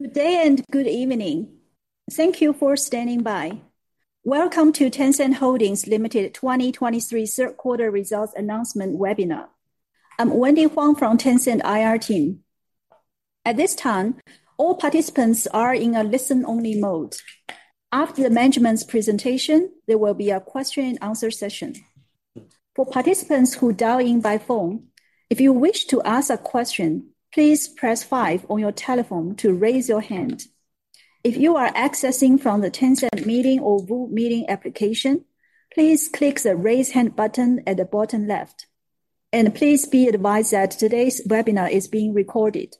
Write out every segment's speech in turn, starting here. Good day and good evening. Thank you for standing by. Welcome to Tencent Holdings Limited 2023 third quarter results announcement webinar. I'm Wendy Huang from Tencent IR team. At this time, all participants are in a listen-only mode. After the management's presentation, there will be a question and answer session. For participants who dial in by phone, if you wish to ask a question, please press 5 on your telephone to raise your hand. If you are accessing from the Tencent Meeting or Zoom meeting application, please click the Raise Hand button at the bottom left. Please be advised that today's webinar is being recorded.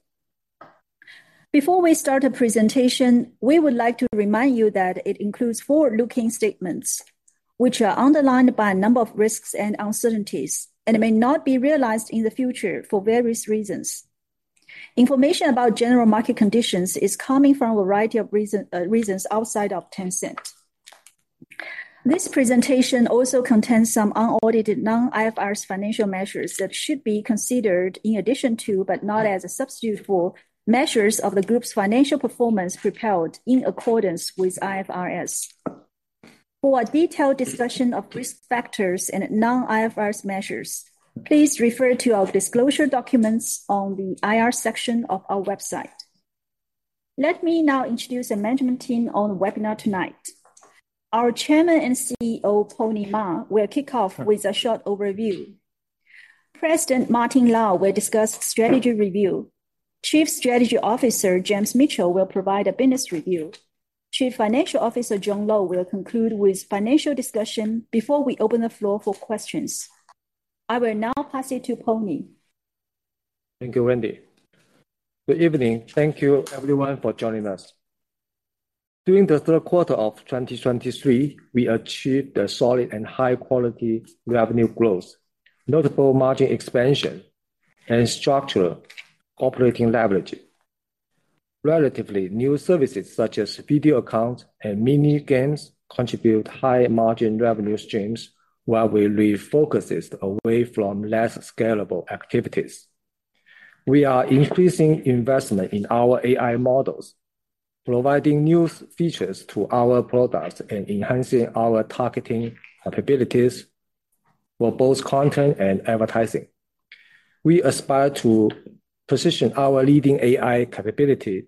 Before we start the presentation, we would like to remind you that it includes forward-looking statements, which are underlined by a number of risks and uncertainties, and may not be realized in the future for various reasons.y Information about general market conditions is coming from a variety of reasons outside of Tencent. This presentation also contains some unaudited non-IFRS financial measures that should be considered in addition to, but not as a substitute for, measures of the group's financial performance prepared in accordance with IFRS. For a detailed discussion of risk factors and non-IFRS measures, please refer to our disclosure documents on the IR section of our website. Let me now introduce the management team on the webinar tonight. Our Chairman and CEO, Pony Ma, will kick off with a short overview. President Martin Lau will discuss strategy review. Chief Strategy Officer James Mitchell will provide a business review. Chief Financial Officer John Lo will conclude with financial discussion before we open the floor for questions. I will now pass it to Pony. Thank you, Wendy. Good evening. Thank you everyone for joining us. During the third quarter of 2023, we achieved a solid and high-quality revenue growth, notable margin expansion, and structural operating leverage. Relatively new services, such as Video Accounts and Mini Games, contribute high-margin revenue streams, while we refocused away from less scalable activities. We are increasing investment in our AI models, providing new features to our products and enhancing our targeting capabilities for both content and advertising. We aspire to position our leading AI capability,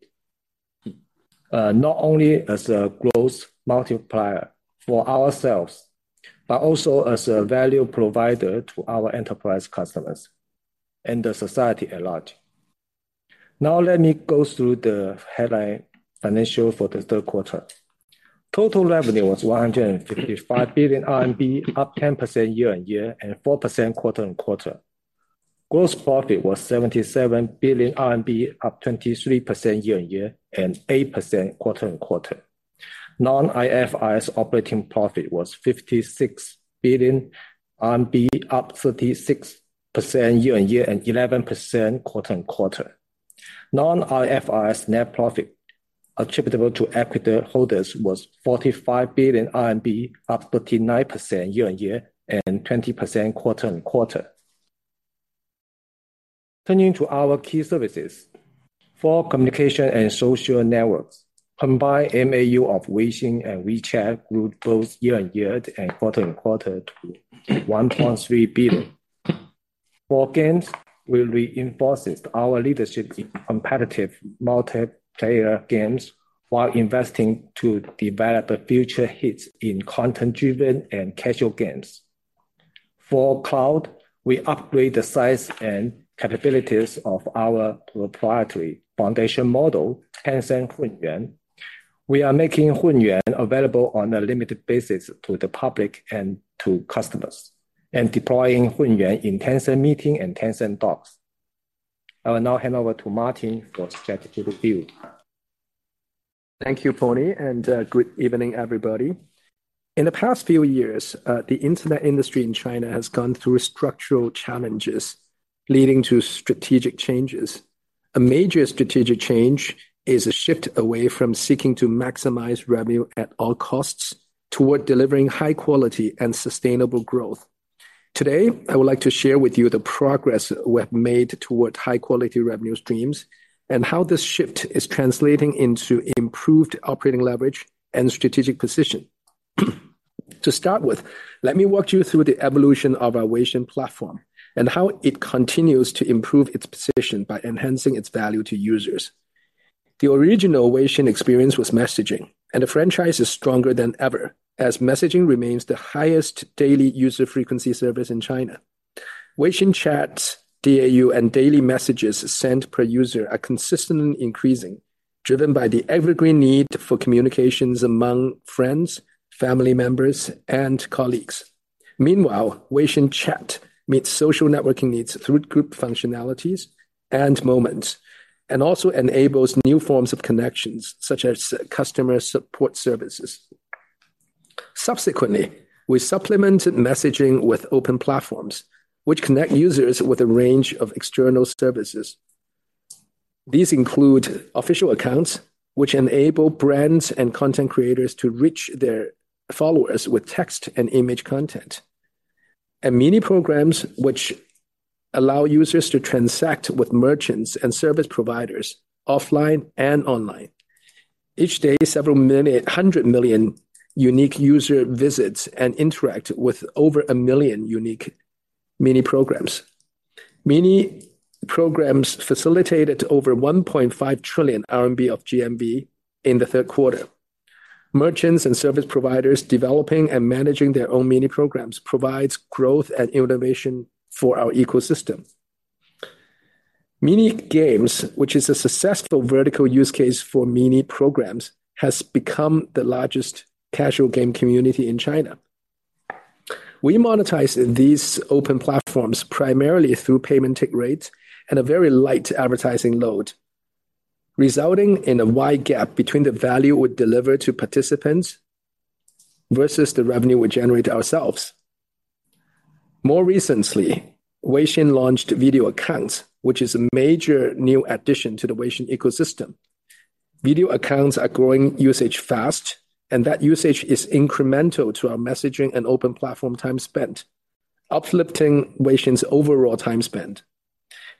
not only as a growth multiplier for ourselves, but also as a value provider to our enterprise customers and the society at large. Now let me go through the headline financial for the third quarter. Total revenue was 155 billion RMB, up 10% year-over-year and 4% quarter-on-quarter. Gross profit was 77 billion RMB, up 23% year-on-year and 8% quarter-on-quarter. Non-IFRS operating profit was 56 billion RMB, up 36% year-on-year and 11% quarter-on-quarter. Non-IFRS net profit attributable to equity holders was 45 billion RMB, up 39% year-on-year and 20% quarter-on-quarter. Turning to our key services. For communication and social networks, combined MAU of Weixin and WeChat grew both year-on-year and quarter-on-quarter to 1.3 billion. For games, we reinforced our leadership in competitive multiplayer games while investing to develop future hits in content-driven and casual games. For cloud, we upgrade the size and capabilities of our proprietary foundation model, Tencent Hunyuan. We are making Hunyuan available on a limited basis to the public and to customers, and deploying Hunyuan in Tencent Meeting and Tencent Docs. I will now hand over to Martin for strategy review. Thank you, Pony, and good evening, everybody. In the past few years, the internet industry in China has gone through structural challenges, leading to strategic changes. A major strategic change is a shift away from seeking to maximize revenue at all costs toward delivering high quality and sustainable growth. Today, I would like to share with you the progress we have made toward high-quality revenue streams and how this shift is translating into improved operating leverage and strategic position. To start with, let me walk you through the evolution of our Weixin platform and how it continues to improve its position by enhancing its value to users. The original Weixin experience was messaging, and the franchise is stronger than ever, as messaging remains the highest daily user frequency service in China. Weixin chat's DAU and daily messages sent per user are consistently increasing, driven by the evergreen need for communications among friends, family members, and colleagues. Meanwhile, Weixin chat meets social networking needs through group functionalities and Moments, and also enables new forms of connections, such as customer support services. Subsequently, we supplemented messaging with open platforms, which connect users with a range of external services. These include Official Accounts, which enable brands and content creators to reach their followers with text and image content. And Mini Programs, which allow users to transact with merchants and service providers offline and online. Each day, several hundred million unique user visits and interact with over 1 million unique Mini Programs. Mini Programs facilitated over 1.5 trillion RMB of GMV in the third quarter. Merchants and service providers developing and managing their own Mini Programs provides growth and innovation for our ecosystem. Mini Games, which is a successful vertical use case for Mini Programs, has become the largest casual game community in China. We monetize these open platforms primarily through payment take rates and a very light advertising load, resulting in a wide gap between the value we deliver to participants versus the revenue we generate ourselves. More recently, Weixin launched Video Accounts, which is a major new addition to the Weixin ecosystem. Video Accounts are growing usage fast, and that usage is incremental to our messaging and open platform time spent, uplifting Weixin's overall time spent.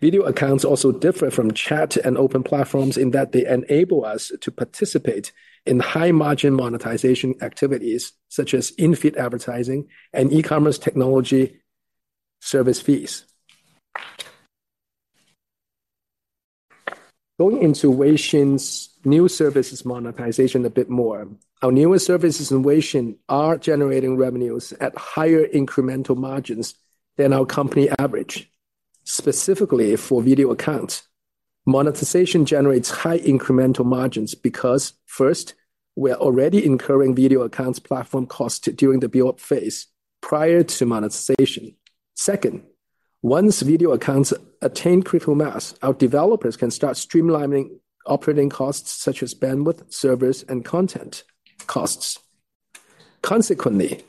Video Accounts also differ from chat and open platforms in that they enable us to participate in high-margin monetization activities, such as in-feed advertising and e-commerce technology service fees. Going into Weixin's new services monetization a bit more, our newest services in Weixin are generating revenues at higher incremental margins than our company average. Specifically for Video Accounts, monetization generates high incremental margins because, first, we are already incurring Video Accounts platform costs during the build phase prior to monetization. Second, once Video Accounts attain critical mass, our developers can start streamlining operating costs, such as bandwidth, servers, and content costs. Consequently,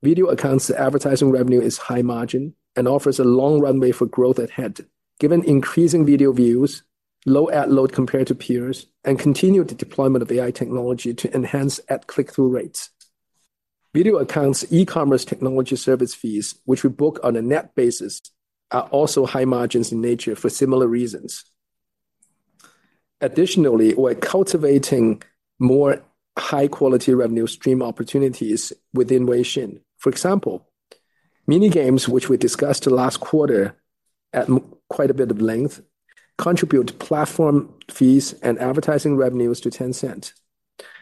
Video Accounts advertising revenue is high margin and offers a long runway for growth ahead, given increasing video views, low ad load compared to peers, and continued deployment of AI technology to enhance ad click-through rates. Video Accounts e-commerce technology service fees, which we book on a net basis, are also high margins in nature for similar reasons. Additionally, we're cultivating more high-quality revenue stream opportunities within Weixin. For example, Mini Games, which we discussed last quarter at quite a bit of length, contribute platform fees and advertising revenues to Tencent.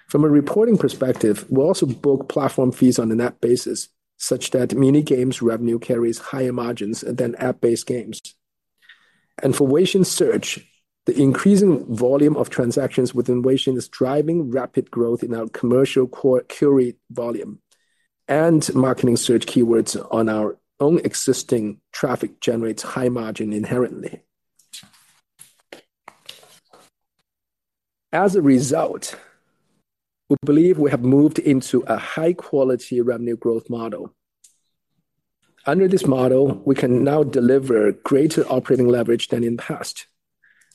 From a reporting perspective, we also book platform fees on a net basis, such that Mini Games revenue carries higher margins than app-based games. For Weixin Search, the increasing volume of transactions within Weixin is driving rapid growth in our commercial core query volume, and marketing search keywords on our own existing traffic generates high margin inherently. As a result, we believe we have moved into a high-quality revenue growth model. Under this model, we can now deliver greater operating leverage than in the past.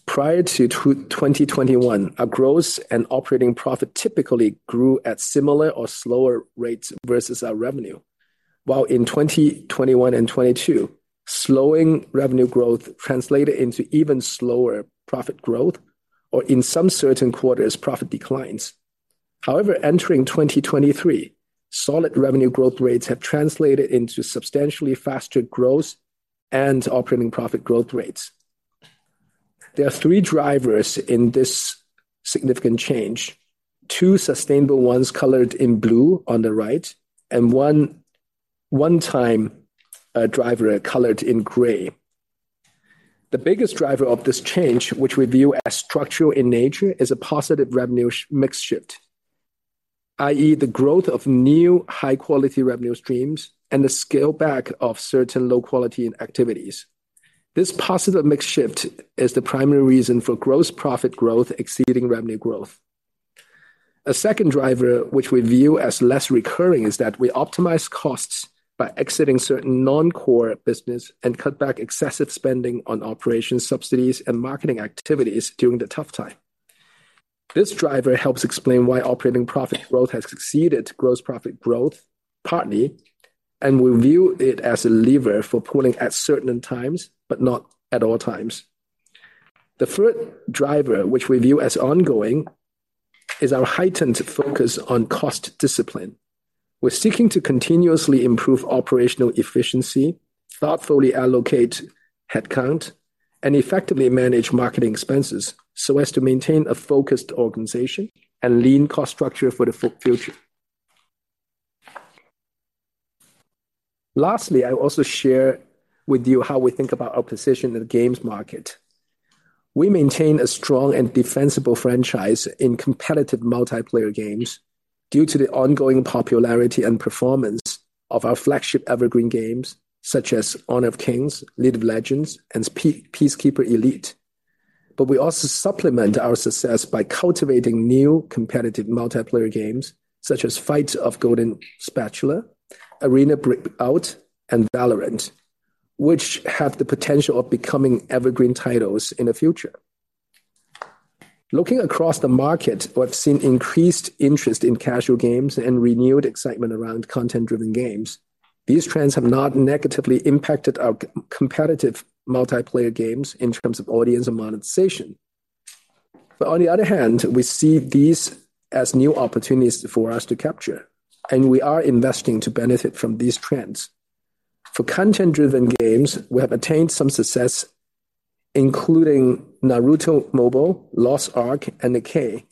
Prior to 2021, our gross and operating profit typically grew at similar or slower rates versus our revenue, while in 2021 and 2022, slowing revenue growth translated into even slower profit growth, or in some certain quarters, profit declines. However, entering 2023, solid revenue growth rates have translated into substantially faster gross and operating profit growth rates. There are three drivers in this significant change: two sustainable ones colored in blue on the right, and one-time driver colored in gray. The biggest driver of this change, which we view as structural in nature, is a positive revenue mix shift, i.e., the growth of new high-quality revenue streams and the scale back of certain low-quality activities. This positive mix shift is the primary reason for gross profit growth exceeding revenue growth. A second driver, which we view as less recurring, is that we optimize costs by exiting certain non-core business and cut back excessive spending on operation subsidies and marketing activities during the tough time. This driver helps explain why operating profit growth has exceeded gross profit growth, partly, and we view it as a lever for pulling at certain times, but not at all times. The third driver, which we view as ongoing, is our heightened focus on cost discipline. We're seeking to continuously improve operational efficiency, thoughtfully allocate headcount, and effectively manage marketing expenses so as to maintain a focused organization and lean cost structure for the future. Lastly, I will also share with you how we think about our position in the games market. We maintain a strong and defensible franchise in competitive multiplayer games due to the ongoing popularity and performance of our flagship evergreen games, such as Honor of Kings, League of Legends, and Peacekeeper Elite. But we also supplement our success by cultivating new competitive multiplayer games, such as Battle of the Golden Spatula, Arena Breakout, and VALORANT, which have the potential of becoming evergreen titles in the future.... Looking across the market, we've seen increased interest in casual games and renewed excitement around content-driven games. These trends have not negatively impacted our competitive multiplayer games in terms of audience and monetization. But on the other hand, we see these as new opportunities for us to capture, and we are investing to benefit from these trends. For content-driven games, we have attained some success, including Naruto Mobile, Lost Ark, and Nikke,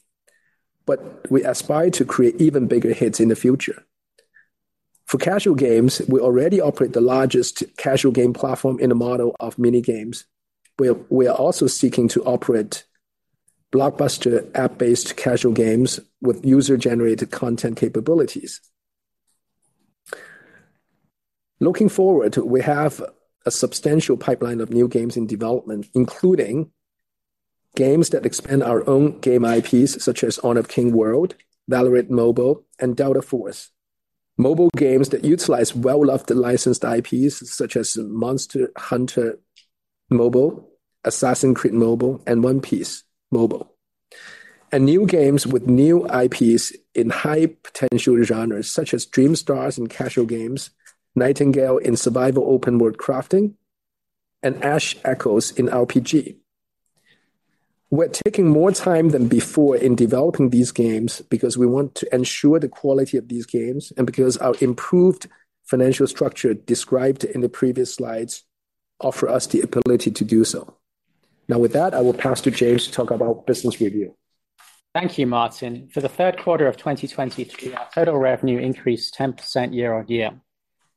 but we aspire to create even bigger hits in the future. For casual games, we already operate the largest casual game platform in a model of Mini Games. We are also seeking to operate blockbuster app-based casual games with user-generated content capabilities. Looking forward, we have a substantial pipeline of new games in development, including games that expand our own game IPs, such as Honor of Kings: World, VALORANT Mobile, and Delta Force. Mobile games that utilize well-loved licensed IPs, such as Monster Hunter Mobile, Assassin's Creed Mobile, and One Piece Mobile. And new games with new IPs in high-potential genres such as DreamStar in casual games, Nightingale in survival open world crafting, and Ash Echoes in RPG. We're taking more time than before in developing these games because we want to ensure the quality of these games and because our improved financial structure described in the previous slides offer us the ability to do so. Now, with that, I will pass to James to talk about business review. Thank you, Martin. For the third quarter of 2023, our total revenue increased 10% year-on-year.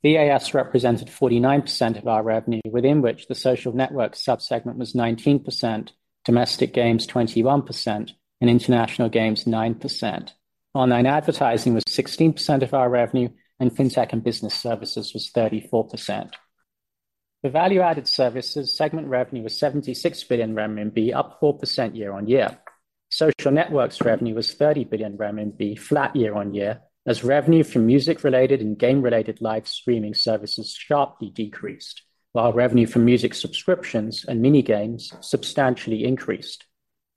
VAS represented 49% of our revenue, within which the social network sub-segment was 19%, domestic games 21%, and international games 9%. Online advertising was 16% of our revenue, and FinTech and Business Services was 34%. The value-added services segment revenue was 76 billion RMB, up 4% year-on-year. Social networks revenue was 30 billion RMB, flat year-on-year, as revenue from music-related and game-related live streaming services sharply decreased, while revenue from music subscriptions and Mini Games substantially increased.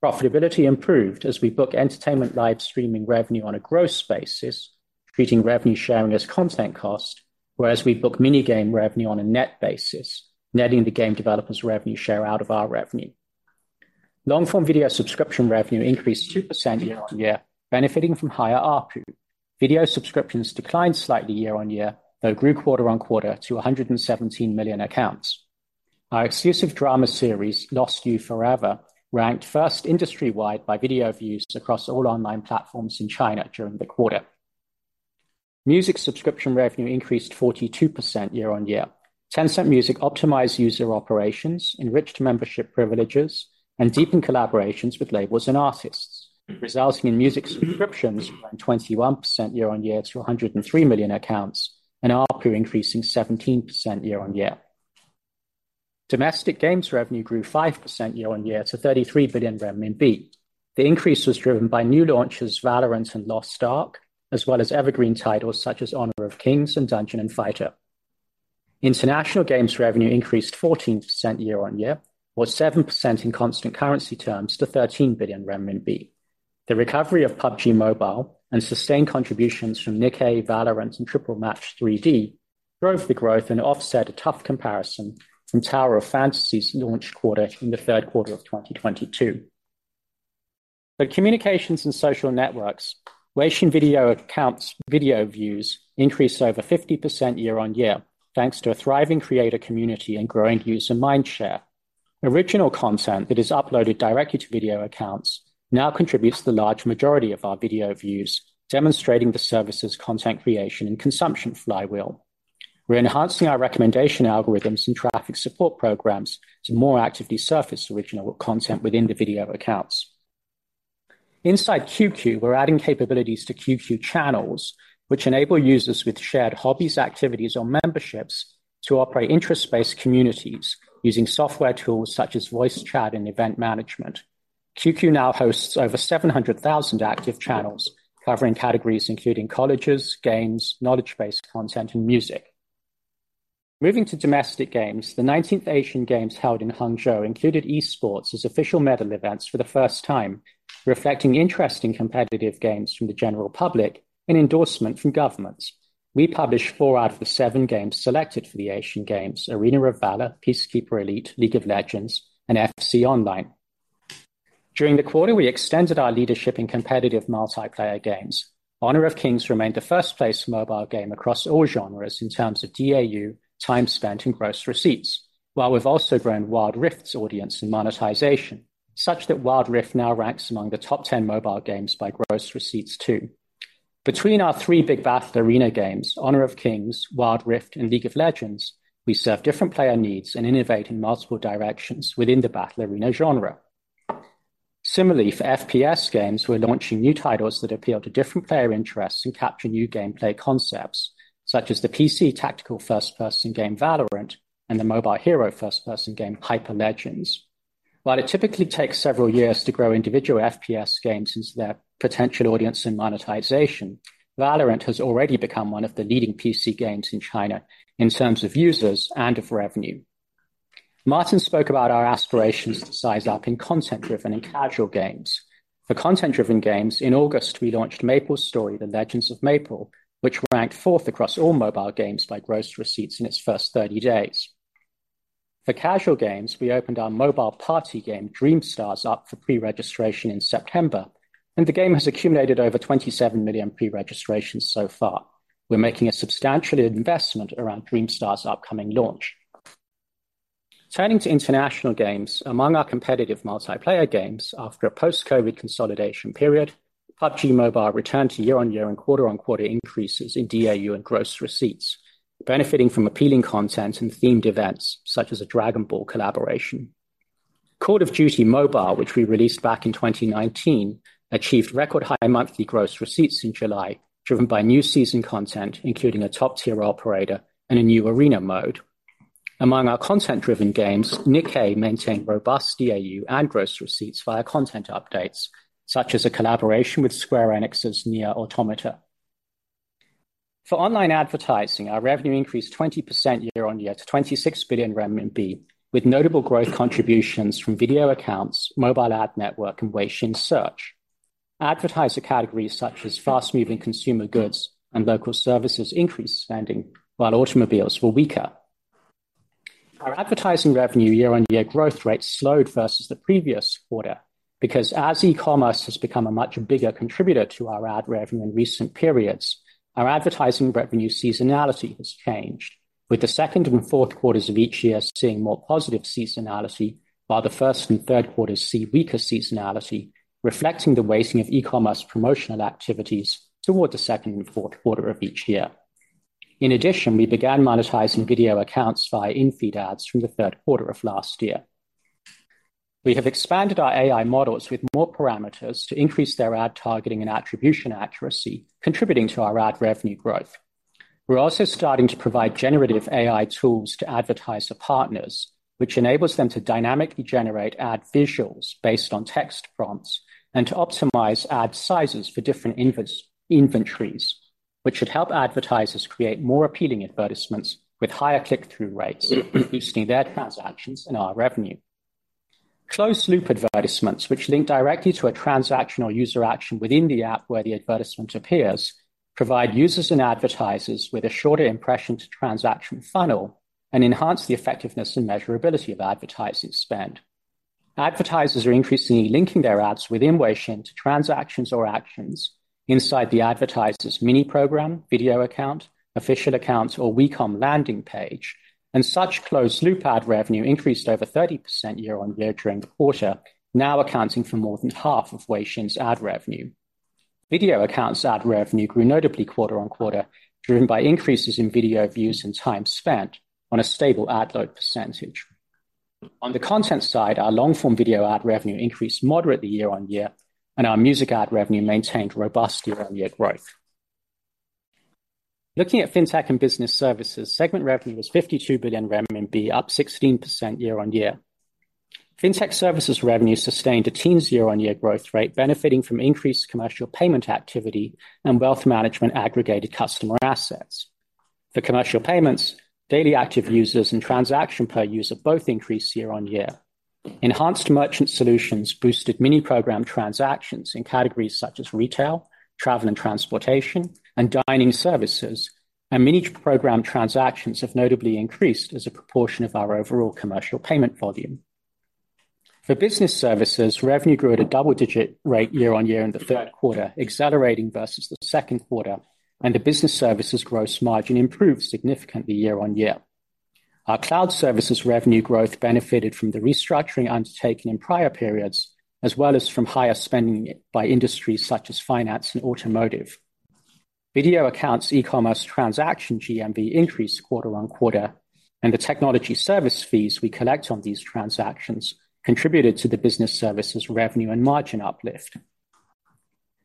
Profitability improved as we book entertainment live streaming revenue on a gross basis, treating revenue sharing as content cost, whereas we book Mini Game revenue on a net basis, netting the game developer's revenue share out of our revenue. Long-form video subscription revenue increased 2% year-on-year, benefiting from higher ARPU. Video subscriptions declined slightly year-on-year, though grew quarter-on-quarter to 117 million accounts. Our exclusive drama series, Lost You Forever, ranked first industry-wide by video views across all online platforms in China during the quarter. Music subscription revenue increased 42% year-on-year. Tencent Music optimized user operations, enriched membership privileges, and deepened collaborations with labels and artists, resulting in music subscriptions growing 21% year-on-year to 103 million accounts, and ARPU increasing 17% year-on-year. Domestic games revenue grew 5% year-on-year to 33 billion RMB. The increase was driven by new launches, VALORANT and Lost Ark, as well as evergreen titles such as Honor of Kings and Dungeon & Fighter. International games revenue increased 14% year-on-year, or 7% in constant currency terms, to 13 billion renminbi. The recovery of PUBG MOBILE and sustained contributions from Nikke, VALORANT, and Triple Match 3D drove the growth and offset a tough comparison from Tower of Fantasy's launch quarter in the third quarter of 2022. But communications and social networks, Weixin Video Accounts, video views increased over 50% year-on-year, thanks to a thriving creator community and growing user mindshare. Original content that is uploaded directly to Video Accounts now contributes to the large majority of our video views, demonstrating the service's content creation and consumption flywheel. We're enhancing our recommendation algorithms and traffic support programs to more actively surface original content within the Video Accounts. Inside QQ, we're adding capabilities to QQ Channels, which enable users with shared hobbies, activities, or memberships to operate interest-based communities using software tools such as voice chat and event management. QQ now hosts over 700,000 active channels, covering categories including colleges, games, knowledge-based content, and music. Moving to domestic games, the 19th Asian Games held in Hangzhou included e-sports as official medal events for the first time, reflecting interest in competitive games from the general public and endorsement from governments. We published 4 out of the 7 games selected for the Asian Games: Arena of Valor, Peacekeeper Elite, League of Legends, and FC Online. During the quarter, we extended our leadership in competitive multiplayer games. Honor of Kings remained the first place mobile game across all genres in terms of DAU, time spent, and gross receipts, while we've also grown Wild Rift's audience and monetization, such that Wild Rift now ranks among the top ten mobile games by gross receipts, too. Between our three big battle arena games, Honor of Kings, Wild Rift, and League of Legends, we serve different player needs and innovate in multiple directions within the battle arena genre. Similarly, for FPS games, we're launching new titles that appeal to different player interests and capture new gameplay concepts, such as the PC tactical first-person game, VALORANT, and the mobile hero first-person game, High Energy Heroes. While it typically takes several years to grow individual FPS games since their potential audience in monetization, VALORANT has already become one of the leading PC games in China in terms of users and of revenue.... Martin spoke about our aspirations to size up in content-driven and casual games. For content-driven games, in August, we launched MapleStory: The Legends of Maple, which ranked fourth across all mobile games by gross receipts in its first 30 days. For casual games, we opened our mobile party game, DreamStar, up for pre-registration in September, and the game has accumulated over 27 million pre-registrations so far. We're making a substantial investment around DreamStar's upcoming launch. Turning to international games, among our competitive multiplayer games, after a post-COVID consolidation period, PUBG Mobile returned to year-on-year and quarter-on-quarter increases in DAU and gross receipts, benefiting from appealing content and themed events such as a Dragon Ball collaboration. Call of Duty Mobile, which we released back in 2019, achieved record-high monthly gross receipts in July, driven by new season content, including a top-tier operator and a new arena mode. Among our content-driven games, Nikke maintained robust DAU and gross receipts via content updates, such as a collaboration with Square Enix's NieR:Automata. For online advertising, our revenue increased 20% year-on-year to 26 billion renminbi, with notable growth contributions from Video Accounts, mobile ad network, and Weixin Search. Advertiser categories such as fast-moving consumer goods and local services increased spending, while automobiles were weaker. Our advertising revenue year-on-year growth rate slowed versus the previous quarter because as e-commerce has become a much bigger contributor to our ad revenue in recent periods, our advertising revenue seasonality has changed, with the second and fourth quarters of each year seeing more positive seasonality, while the first and third quarters see weaker seasonality, reflecting the weighting of e-commerce promotional activities towards the second and fourth quarter of each year. In addition, we began monetizing Video Accounts via in-feed ads from the third quarter of last year. We have expanded our AI models with more parameters to increase their ad targeting and attribution accuracy, contributing to our ad revenue growth. We're also starting to provide generative AI tools to advertiser partners, which enables them to dynamically generate ad visuals based on text prompts and to optimize ad sizes for different inventories, which should help advertisers create more appealing advertisements with higher click-through rates, boosting their transactions and our revenue. Closed loop advertisements, which link directly to a transaction or user action within the app where the advertisement appears, provide users and advertisers with a shorter impression-to-transaction funnel and enhance the effectiveness and measurability of advertising spend. Advertisers are increasingly linking their ads within Weixin to transactions or actions inside the advertiser's Mini Program, Video Account, official accounts, or WeCom landing page, and such closed-loop ad revenue increased over 30% year-on-year during the quarter, now accounting for more than half of Weixin's ad revenue. Video Accounts ad revenue grew notably quarter-on-quarter, driven by increases in video views and time spent on a stable ad load percentage. On the content side, our long-form video ad revenue increased moderately year-on-year, and our music ad revenue maintained robust year-on-year growth. Looking at FinTech and Business Services, segment revenue was 52 billion renminbi, up 16% year-on-year. FinTech services revenue sustained a teens year-on-year growth rate, benefiting from increased commercial payment activity and wealth management aggregated customer assets. For commercial payments, daily active users and transaction per user both increased year-on-year. Enhanced merchant solutions boosted Mini Program transactions in categories such as retail, travel and transportation, and dining services. And Mini Program transactions have notably increased as a proportion of our overall commercial payment volume. For business services, revenue grew at a double-digit rate year-on-year in the third quarter, accelerating versus the second quarter, and the business services gross margin improved significantly year-on-year. Our cloud services revenue growth benefited from the restructuring undertaken in prior periods, as well as from higher spending by industries such as finance and automotive. Video Accounts, e-commerce, transaction GMV increased quarter-on-quarter, and the technology service fees we collect on these transactions contributed to the business services revenue and margin uplift.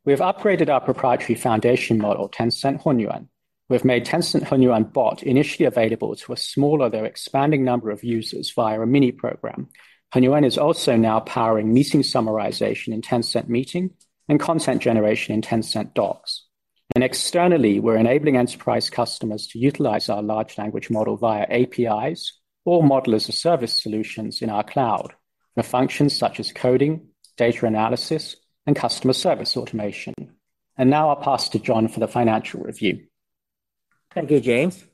We have upgraded our proprietary foundation model, Tencent Hunyuan. We have made Tencent Hunyuan Bot initially available to a smaller, though expanding number of users via a Mini Program. Hunyuan is also now powering meeting summarization in Tencent Meeting and content generation in Tencent Docs. Externally, we're enabling enterprise customers to utilize our large language model via APIs or model-as-a-service solutions in our cloud for functions such as coding, data analysis, and customer service automation. Now I'll pass to John for the financial review. Thank you, James.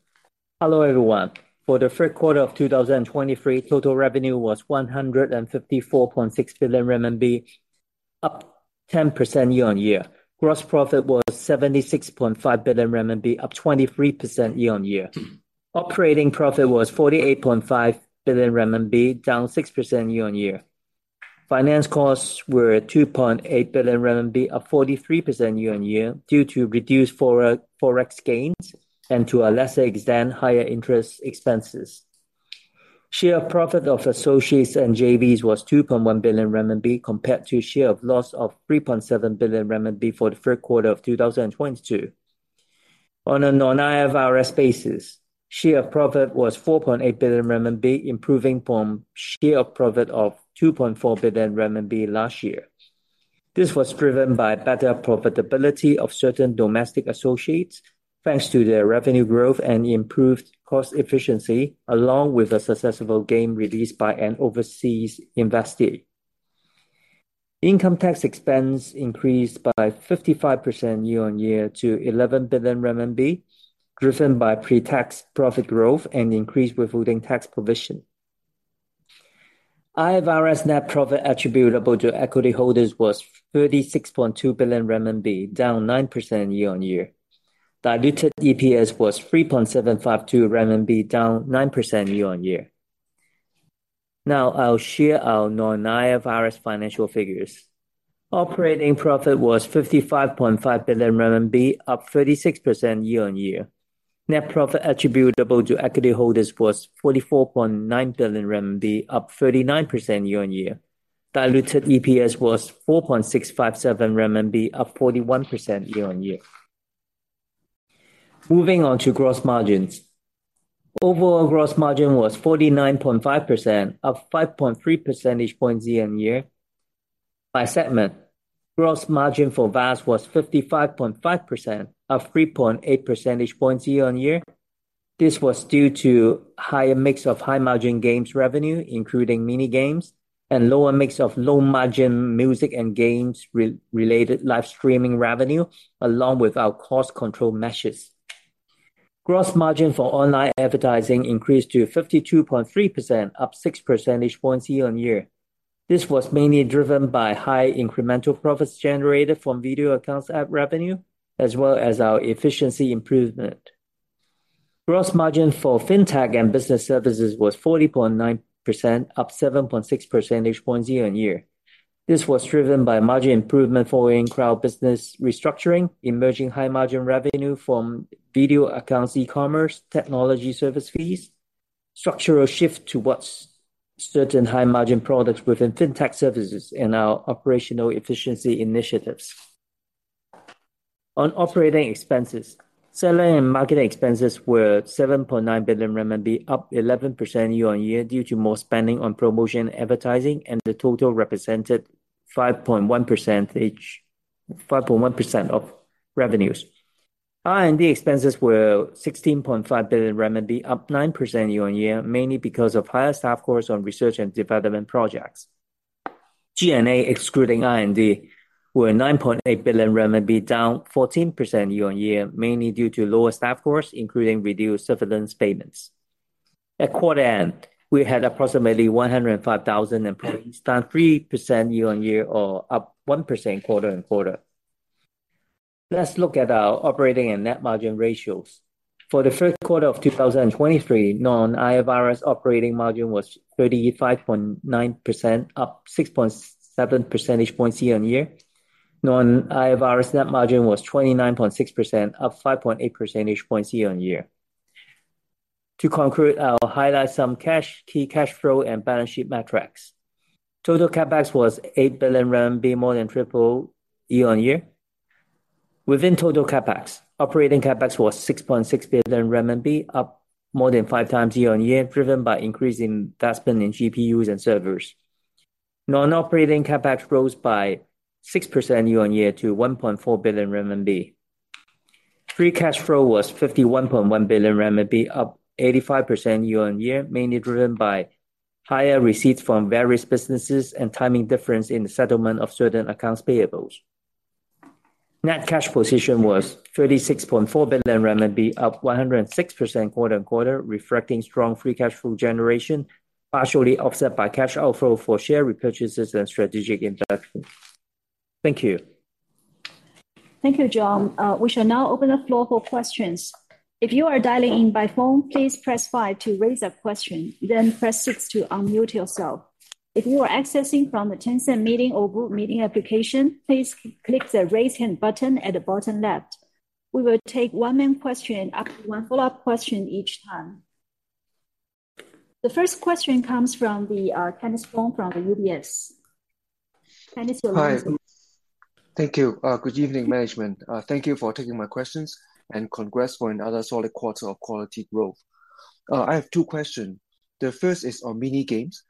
Hello, everyone. For the third quarter of 2023, total revenue was 154.6 billion RMB, up 10% year-on-year. Gross profit was 76.5 billion RMB, up 23% year-on-year. Operating profit was 48.5 billion RMB, down 6% year-on-year. Finance costs were at 2.8 billion RMB, up 43% year-on-year, due to reduced Forex gains and, to a lesser extent, higher interest expenses. Share profit of associates and JVs was 2.1 billion RMB, compared to a share of loss of 3.7 billion RMB for the third quarter of 2022. On a non-IFRS basis, share profit was 4.8 billion RMB, improving from share profit of 2.4 billion RMB last year.... This was driven by better profitability of certain domestic associates, thanks to their revenue growth and improved cost efficiency, along with a successful game release by an overseas investee. Income tax expense increased by 55% year-on-year to 11 billion RMB, driven by pre-tax profit growth and increased withholding tax provision. IFRS net profit attributable to equity holders was 36.2 billion RMB, down 9% year-on-year. Diluted EPS was 3.752 RMB, down 9% year-on-year. Now I'll share our non-IFRS financial figures. Operating profit was 55.5 billion RMB, up 36% year-on-year. Net profit attributable to equity holders was 44.9 billion RMB, up 39% year-on-year. Diluted EPS was 4.657 RMB, up 41% year-on-year. Moving on to gross margins. Overall gross margin was 49.5%, up 5.3 percentage points year-on-year. By segment, gross margin for VAS was 55.5%, up 3.8 percentage points year-on-year. This was due to higher mix of high-margin games revenue, including Mini Games, and lower mix of low-margin music and games related live streaming revenue, along with our cost control measures. Gross margin for online advertising increased to 52.3%, up 6 percentage points year-on-year. This was mainly driven by high incremental profits generated from Video Accounts ad revenue, as well as our efficiency improvement. Gross margin for FinTech and Business Services was 40.9%, up 7.6 percentage points year-on-year. This was driven by margin improvement following cloud business restructuring, emerging high-margin revenue from Video Accounts e-commerce, technology service fees, structural shift towards certain high-margin products within FinTech services, and our operational efficiency initiatives. On operating expenses, selling and marketing expenses were 7.9 billion RMB, up 11% year-on-year, due to more spending on promotion advertising, and the total represented 5.1% of revenues. R&D expenses were 16.5 billion RMB, up 9% year-on-year, mainly because of higher staff costs on research and development projects. G&A, excluding R&D, were 9.8 billion RMB, down 14% year-on-year, mainly due to lower staff costs, including reduced severance payments. At quarter end, we had approximately 105,000 employees, down 3% year-on-year or up 1% quarter-on-quarter. Let's look at our operating and net margin ratios. For the first quarter of 2023, non-IFRS operating margin was 35.9%, up 6.7 percentage points year-on-year. Non-IFRS net margin was 29.6%, up 5.8 percentage points year-on-year. To conclude, I'll highlight some key cash flow and balance sheet metrics. Total CapEx was 8 billion RMB, more than 3x year-on-year. Within total CapEx, operating CapEx was 6.6 billion RMB, up more than 5x year-on-year, driven by increasing investment in GPUs and servers. Non-operating CapEx rose by 6% year-on-year to 1.4 billion RMB. Free cash flow was 51.1 billion RMB, up 85% year-on-year, mainly driven by higher receipts from various businesses and timing difference in the settlement of certain accounts payables. Net cash position was 36.4 billion RMB, up 106% quarter-on-quarter, reflecting strong free cash flow generation, partially offset by cash outflow for share repurchases and strategic investments. Thank you. Thank you, John. We shall now open the floor for questions. If you are dialing in by phone, please press five to raise a question, then press six to unmute yourself. If you are accessing from the Tencent Meeting or Zoom meeting application, please click the Raise Hand button at the bottom left. We will take one main question after one follow-up question each time. The first question comes from Kenneth Fong from UBS. Kenneth, you're unmuted. Hi. Thank you. Good evening, management. Thank you for taking my questions, and congrats for another solid quarter of quality growth. I have two questions. The first is on Mini Games.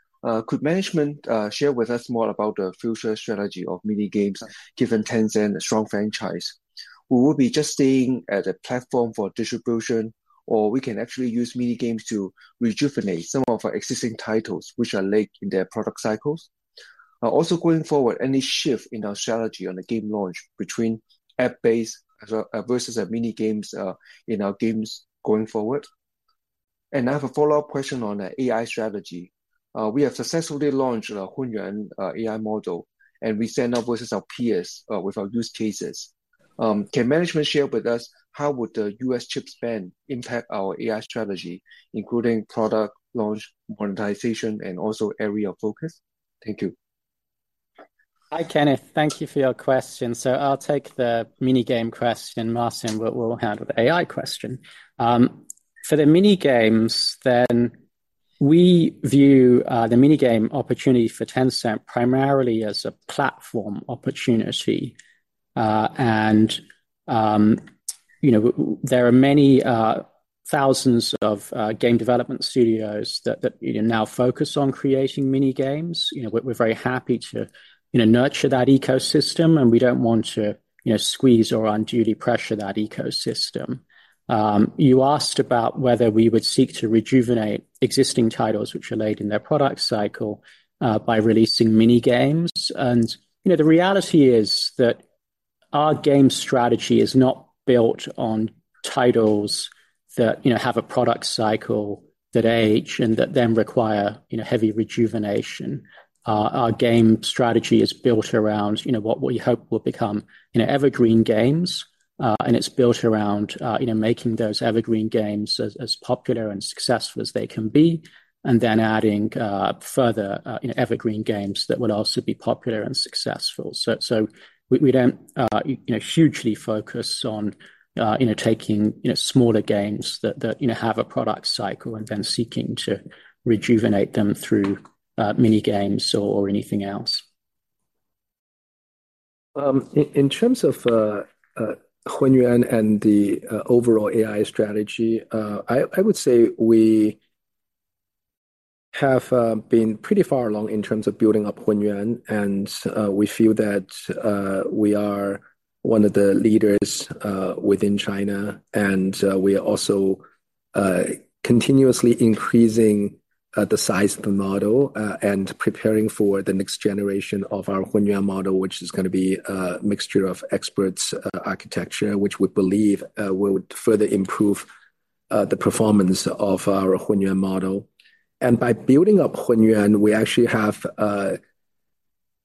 Could management share with us more about the future strategy of Mini Games, given Tencent a strong franchise? We will be just staying at a platform for distribution, or we can actually use Mini Games to rejuvenate some of our existing titles, which are late in their product cycles. Also going forward, any shift in our strategy on the game launch between app-based versus a Mini Games in our games going forward? And I have a follow-up question on AI strategy. We have successfully launched our Hunyuan AI model, and we stand up versus our peers with our use cases. Can management share with us how would the U.S. chip ban impact our AI strategy, including product launch, monetization, and also area of focus? Thank you. Hi, Kenneth. Thank you for your question. So I'll take the Mini Gamequestion, Martin will handle the AI question. For the Mini Games, then we view the Mini Game opportunity for Tencent primarily as a platform opportunity.... you know, there are many thousands of game development studios that you know now focus on creating Mini Games. You know, we're very happy to you know nurture that ecosystem, and we don't want to you know squeeze or unduly pressure that ecosystem. You asked about whether we would seek to rejuvenate existing titles which are late in their product cycle by releasing Mini Games. You know, the reality is that our game strategy is not built on titles that you know have a product cycle, that age, and that then require you know heavy rejuvenation. Our game strategy is built around you know what we hope will become you know evergreen games. And it's built around, you know, making those evergreen games as popular and successful as they can be, and then adding further, you know, evergreen games that will also be popular and successful. So we don't, you know, hugely focus on, you know, taking smaller games that, you know, have a product cycle and then seeking to rejuvenate them through Mini Games or anything else. In terms of Hunyuan and the overall AI strategy, I would say we have been pretty far along in terms of building up Hunyuan, and we feel that we are one of the leaders within China. We are also continuously increasing the size of the model and preparing for the next generation of our Hunyuan model, which is gonna be a Mixture of Experts architecture, which we believe will further improve the performance of our Hunyuan model. By building up Hunyuan, we actually have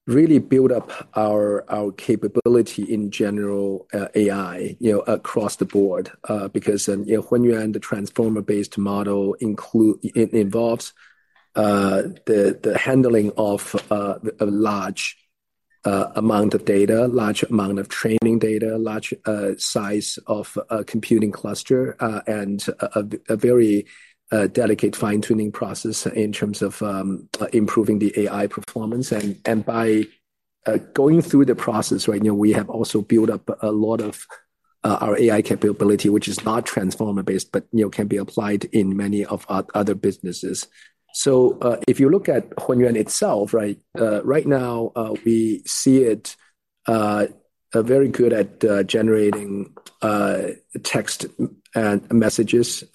really built up our capability in general AI, you know, across the board. Because, you know, Hunyuan, the transformer-based model, it involves the handling of a large amount of data, large amount of training data, large size of a computing cluster, and a very delicate fine-tuning process in terms of improving the AI performance. And by going through the process, right, you know, we have also built up a lot of our AI capability, which is not transformer-based, but, you know, can be applied in many of our other businesses. So, if you look at Hunyuan itself, right, right now, we see it very good at generating text and messages.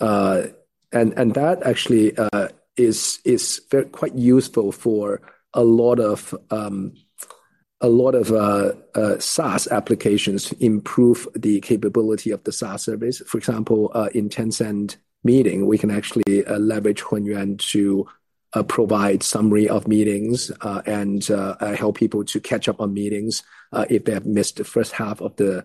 And that actually is very quite useful for a lot of a lot of SaaS applications to improve the capability of the SaaS service. For example, in Tencent Meeting, we can actually leverage Hunyuan to provide summary of meetings, and help people to catch up on meetings, if they have missed the first half of the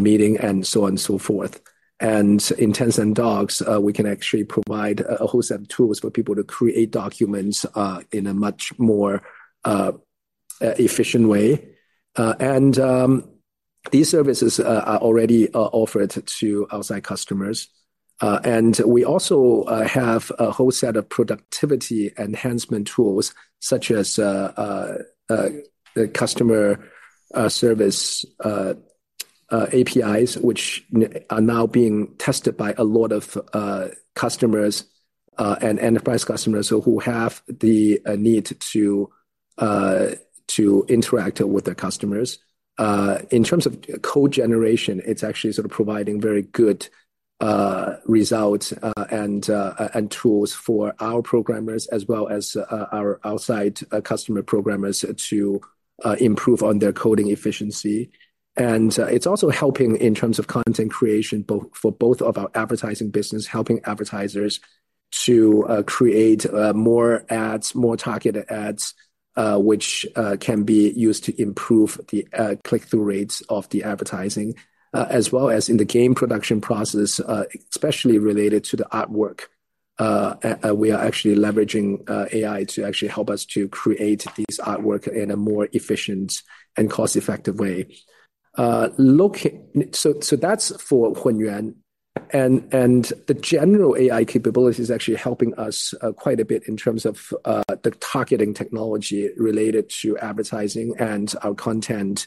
meeting, and so on and so forth. And in Tencent Docs, we can actually provide a whole set of tools for people to create documents in a much more efficient way. And these services are already offered to outside customers. And we also have a whole set of productivity enhancement tools, such as the customer service APIs, which are now being tested by a lot of customers and enterprise customers who have the need to interact with their customers. In terms of code generation, it's actually sort of providing very good results and tools for our programmers, as well as our outside customer programmers to improve on their coding efficiency. And it's also helping in terms of content creation, both for both of our advertising business, helping advertisers to create more ads, more targeted ads, which can be used to improve the click-through rates of the advertising. As well as in the game production process, especially related to the artwork, we are actually leveraging AI to actually help us to create these artwork in a more efficient and cost-effective way. So, that's for Hunyuan. And the general AI capability is actually helping us quite a bit in terms of the targeting technology related to advertising and our content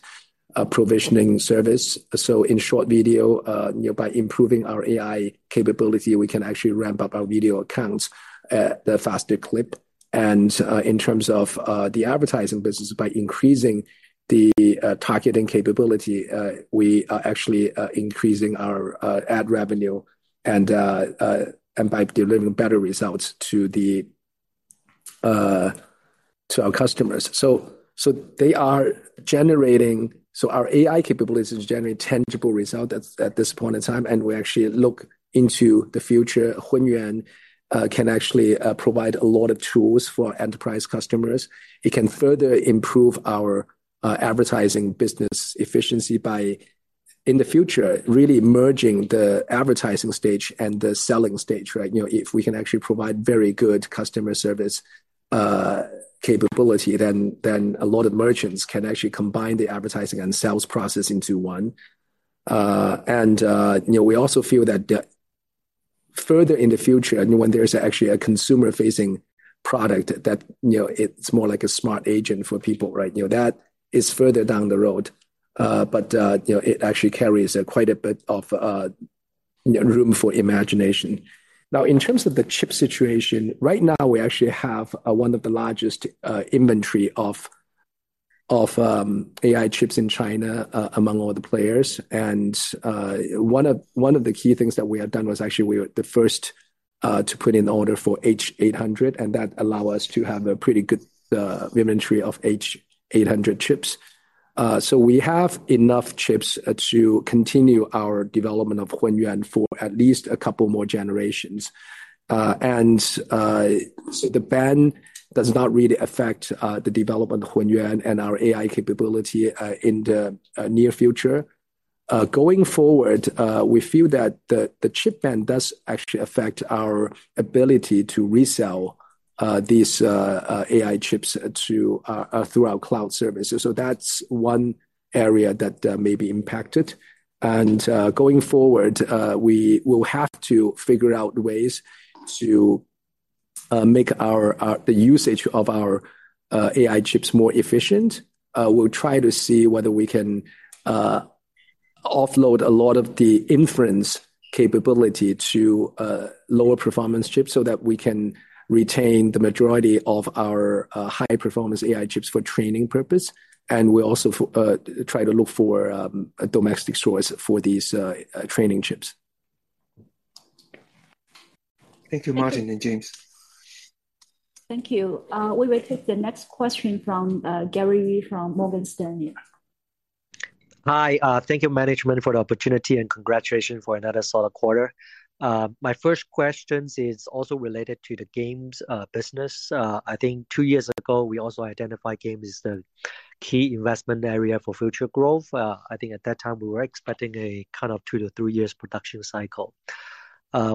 provisioning service. So in short video, you know, by improving our AI capability, we can actually ramp up our Video Accounts at a faster clip. And, in terms of the advertising business, by increasing the targeting capability, we are actually increasing our ad revenue and by delivering better results to our customers. So our AI capabilities is generating tangible results at this point in time, and we actually look into the future. Hunyuan can actually provide a lot of tools for enterprise customers. It can further improve our advertising business efficiency by, in the future, really merging the advertising stage and the selling stage, right? You know, if we can actually provide very good customer service capability, then a lot of merchants can actually combine the advertising and sales process into one. You know, we also feel that further in the future, and when there's actually a consumer-facing product that, you know, it's more like a smart agent for people, right? You know, that is further down the road. But you know, it actually carries quite a bit of room for imagination. Now, in terms of the chip situation, right now, we actually have one of the largest inventory of AI chips in China among all the players. One of the key things that we have done was actually we were the first to put in an order for H800, and that allow us to have a pretty good inventory of H800 chips. So we have enough chips to continue our development of Hunyuan for at least a couple more generations. So the ban does not really affect the development of Hunyuan and our AI capability in the near future. Going forward, we feel that the chip ban does actually affect our ability to resell these AI chips through our cloud services. So that's one area that may be impacted. Going forward, we will have to figure out ways to make the usage of our AI chips more efficient. We'll try to see whether we can offload a lot of the inference capability to lower performance chips so that we can retain the majority of our high-performance AI chips for training purpose, and we'll also try to look for domestic sources for these training chips. Thank you, Martin and James. Thank you. We will take the next question from Gary from Morgan Stanley. Hi, thank you, management, for the opportunity, and congratulations for another solid quarter. My first questions is also related to the games business. I think two years ago, we also identified games as the key investment area for future growth. I think at that time, we were expecting a kind of two to three years production cycle.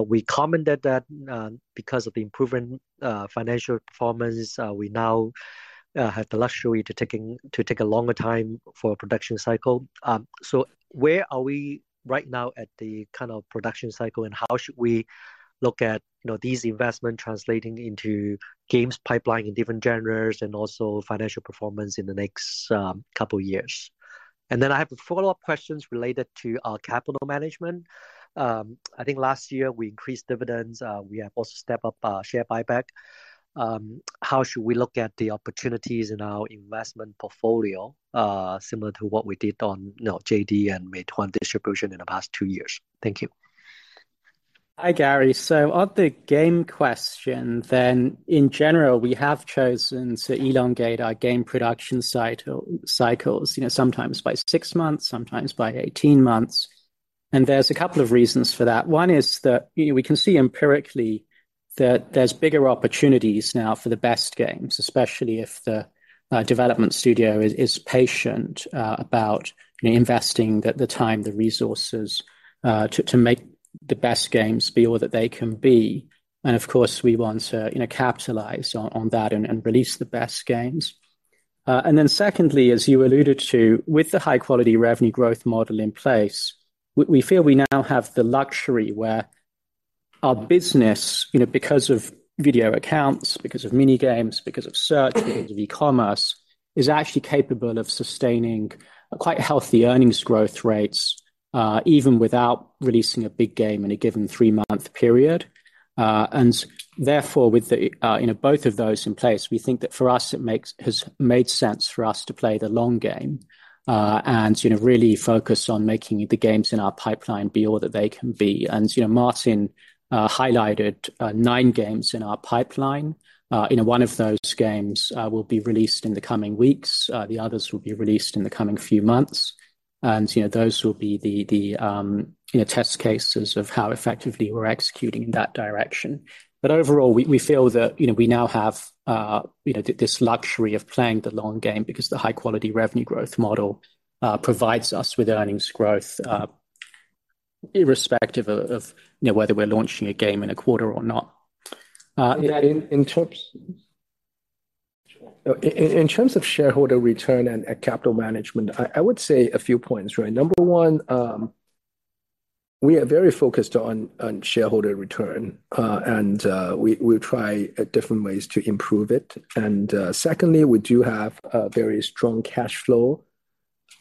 We commented that, because of the improving financial performance, we now have the luxury to take a longer time for production cycle. So where are we right now at the kind of production cycle, and how should we look at, you know, these investment translating into games pipeline in different genres and also financial performance in the next couple of years? And then I have a follow-up questions related to our capital management. I think last year we increased dividends. We have also stepped up our share buyback. How should we look at the opportunities in our investment portfolio, similar to what we did on, you know, JD and Meituan distribution in the past two years? Thank you. Hi, Gary. So on the game question, then, in general, we have chosen to elongate our game production cycle, cycles, you know, sometimes by six months, sometimes by 18 months. And there's a couple of reasons for that. One is that, you know, we can see empirically that there's bigger opportunities now for the best games, especially if the development studio is patient about, you know, investing the time, the resources, to make the best games be all that they can be. And of course, we want to, you know, capitalize on that and release the best games. And then secondly, as you alluded to, with the high-quality revenue growth model in place, we feel we now have the luxury where our business, you know, because of Video Accounts, because of Mini Games, because of search, because of e-commerce, is actually capable of sustaining quite healthy earnings growth rates, even without releasing a big game in a given three-month period. And therefore, with the, you know, both of those in place, we think that for us, it has made sense for us to play the long game, and, you know, really focus on making the games in our pipeline be all that they can be. And, you know, Martin, highlighted, nine games in our pipeline. You know, one of those games, will be released in the coming weeks. The others will be released in the coming few months. And, you know, those will be the test cases of how effectively we're executing in that direction. But overall, we feel that, you know, we now have, you know, this luxury of playing the long game because the high-quality revenue growth model provides us with earnings growth, irrespective of, you know, whether we're launching a game in a quarter or not. Yeah, in terms of shareholder return and capital management, I would say a few points, right? Number one, we are very focused on shareholder return, and we try different ways to improve it. And secondly, we do have a very strong cash flow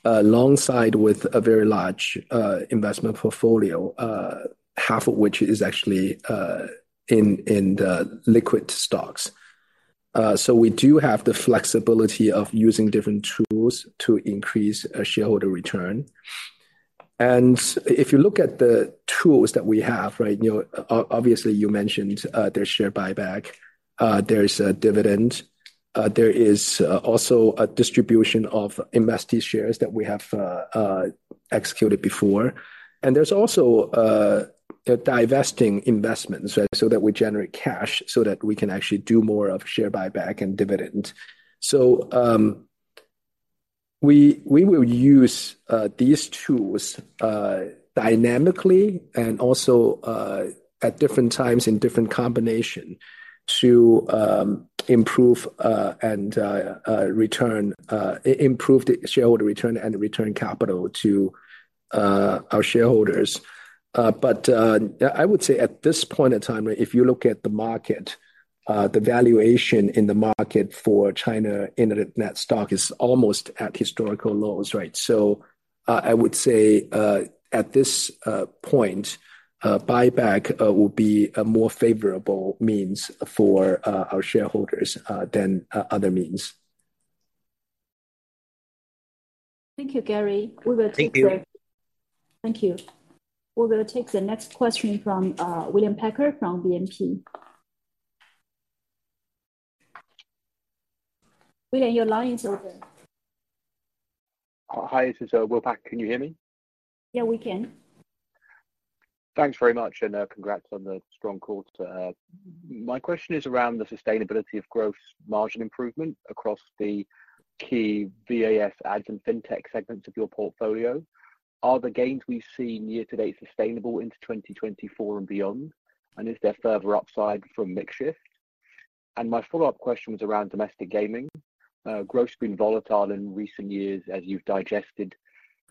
alongside with a very large investment portfolio, half of which is actually in the liquid stocks. So we do have the flexibility of using different tools to increase shareholder return. And if you look at the tools that we have, right, you know, obviously, you mentioned, there's share buyback, there's a dividend, there is also a distribution of investee shares that we have executed before, and there's also a divesting investment, right? So that we generate cash so that we can actually do more of share buyback and dividend. So, we will use these tools dynamically and also at different times in different combination to improve the shareholder return and return capital to-... our shareholders. But, I would say at this point in time, if you look at the market, the valuation in the market for China Internet stock is almost at historical lows, right? So, I would say, at this point, buyback will be a more favorable means for our shareholders than other means. Thank you, Gary. We will take the- Thank you. Thank you. We're going to take the next question from William Packer from BNP Paribas. William, your line is open. Hi, this is Will Packer. Can you hear me? Yeah, we can. Thanks very much, and, congrats on the strong quarter. My question is around the sustainability of growth margin improvement across the key VAS, ads, and finTech segments of your portfolio. Are the gains we've seen year-to-date sustainable into 2024 and beyond, and is there further upside from mix shift? And my follow-up question was around domestic gaming. Growth's been volatile in recent years as you've digested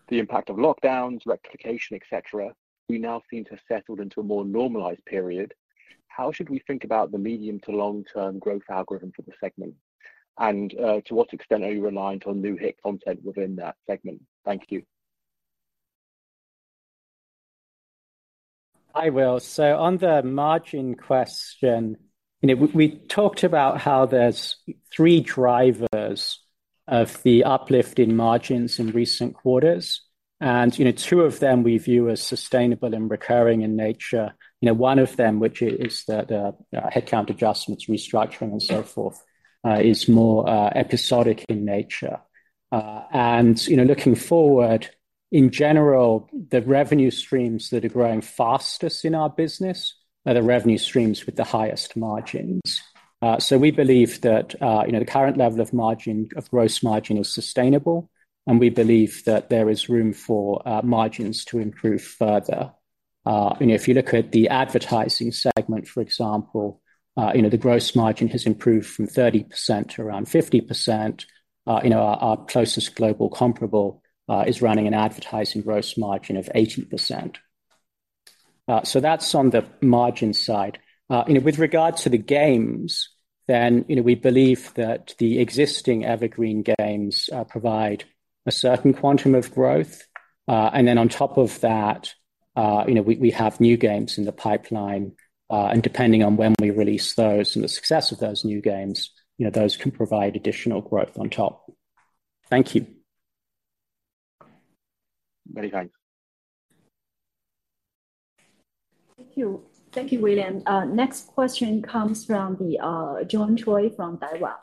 the impact of lockdowns, regulation, et cetera. We now seem to have settled into a more normalized period. How should we think about the medium to long-term growth algorithm for the segment? And, to what extent are you reliant on new hit content within that segment? Thank you. Hi, Will. So on the margin question, you know, we talked about how there's three drivers of the uplift in margins in recent quarters. And, you know, two of them we view as sustainable and recurring in nature. You know, one of them, which is that, headcount adjustments, restructuring, and so forth, is more episodic in nature. And, you know, looking forward, in general, the revenue streams that are growing fastest in our business are the revenue streams with the highest margins. So we believe that, you know, the current level of margin, of gross margin is sustainable, and we believe that there is room for margins to improve further. You know, if you look at the advertising segment, for example, you know, the gross margin has improved from 30% to around 50%. You know, our, our closest global comparable is running an advertising gross margin of 80%. So that's on the margin side. You know, with regard to the games, then, you know, we believe that the existing evergreen games provide a certain quantum of growth. Then on top of that, you know, we, we have new games in the pipeline. Depending on when we release those and the success of those new games, you know, those can provide additional growth on top. Thank you. Very thanks. Thank you. Thank you, William. Next question comes from John Choi from Daiwa.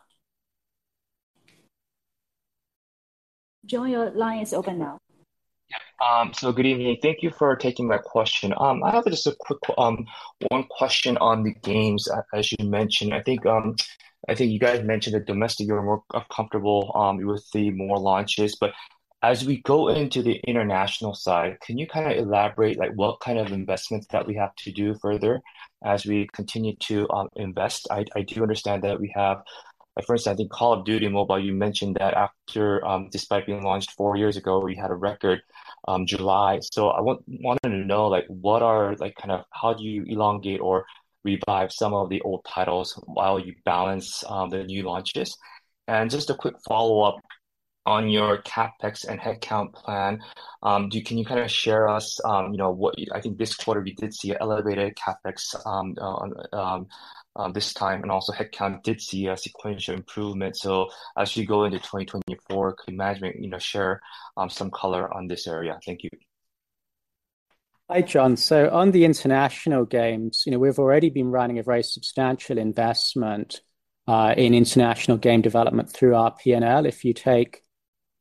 John, your line is open now. Yeah, so good evening. Thank you for taking my question. I have just a quick one question on the games. As you mentioned, I think, I think you guys mentioned that domestic, you're more comfortable, you will see more launches. But as we go into the international side, can you kind of elaborate, like, what kind of investments that we have to do further as we continue to invest? I do understand that we have at first, I think, Call of Duty Mobile, you mentioned that after, despite being launched four years ago, we had a record July. So I wanted to know like, what are, like, kind of how do you elongate or revive some of the old titles while you balance the new launches? And just a quick follow-up on your CapEx and headcount plan. Can you kind of share with us, you know, what I think this quarter we did see an elevated CapEx this time, and also headcount did see a sequential improvement. So as you go into 2024, could management, you know, share some color on this area? Thank you. Hi, John. So on the international games, you know, we've already been running a very substantial investment in international game development through our P&L. If you take, you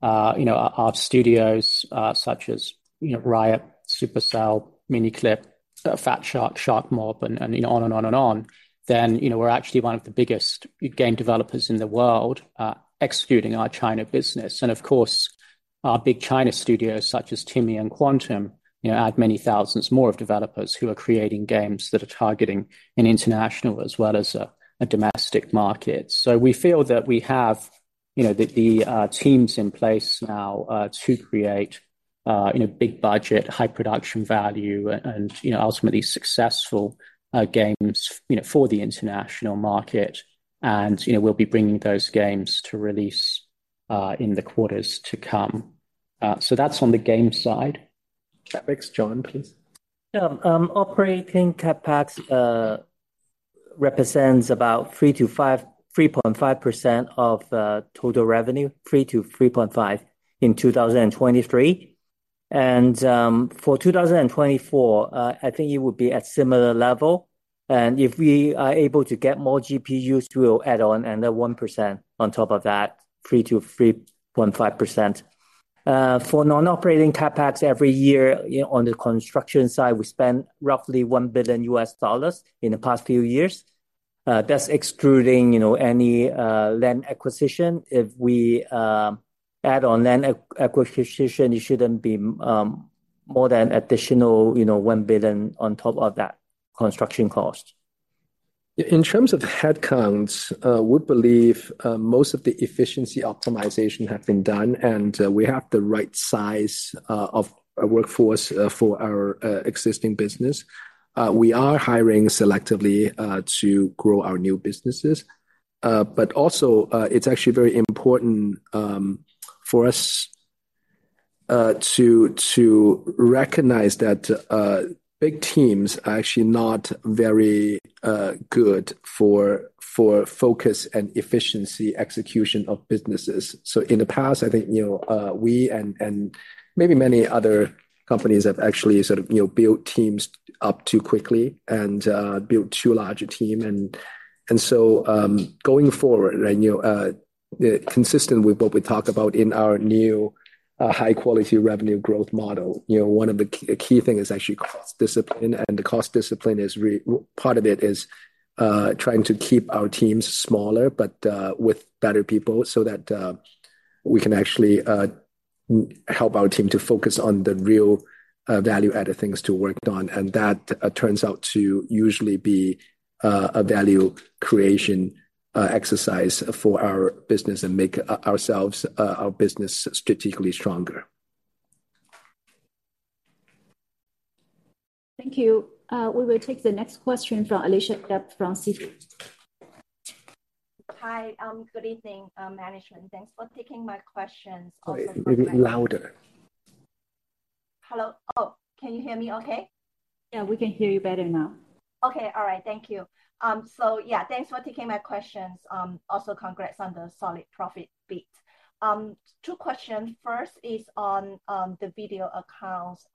know, our, our studios, such as, you know, Riot, Supercell, Miniclip, Fatshark, Sharkmob, and, and on, and on, and on, then, you know, we're actually one of the biggest game developers in the world, excluding our China business. And of course, our big China studios, such as TiMi and Quantum, you know, add many thousands more of developers who are creating games that are targeting an international as well as a domestic market. So we feel that we have, you know, the teams in place now to create, you know, big budget, high production value, and, you know, ultimately successful games, you know, for the international market. You know, we'll be bringing those games to release in the quarters to come. So that's on the game side. CapEx, John, please? Yeah, operating CapEx represents about 3-3.5% of total revenue, 3-3.5% in 2023. For 2024, I think it would be at similar level. And if we are able to get more GPUs, we will add on another 1% on top of that, 3-3.5%. For non-operating CapEx, every year, you know, on the construction side, we spend roughly $1 billion in the past few years. That's excluding, you know, any land acquisition. If we add on land acquisition, it shouldn't be more than additional, you know, $1 billion on top of that construction cost.... In terms of headcounts, we believe most of the efficiency optimization have been done, and we have the right size of a workforce for our existing business. We are hiring selectively to grow our new businesses. But also, it's actually very important for us to recognize that big teams are actually not very good for focus and efficiency, execution of businesses. So in the past, I think, you know, we and maybe many other companies have actually sort of, you know, built teams up too quickly and built too large a team. Going forward, you know, consistent with what we talk about in our new high-quality revenue growth model, you know, one of the key things is actually cost discipline, and the cost discipline is, part of it is trying to keep our teams smaller, but with better people so that we can actually help our team to focus on the real value-added things to work on. And that turns out to usually be a value creation exercise for our business and make our business strategically stronger. Thank you. We will take the next question from Alicia Yap from Citi. Hi, good evening, management. Thanks for taking my questions. Maybe louder. Hello? Oh, can you hear me okay? Yeah, we can hear you better now. Okay. All right. Thank you. So yeah, thanks for taking my questions, also congrats on the solid profit beat. Two questions. First is on the Video Accounts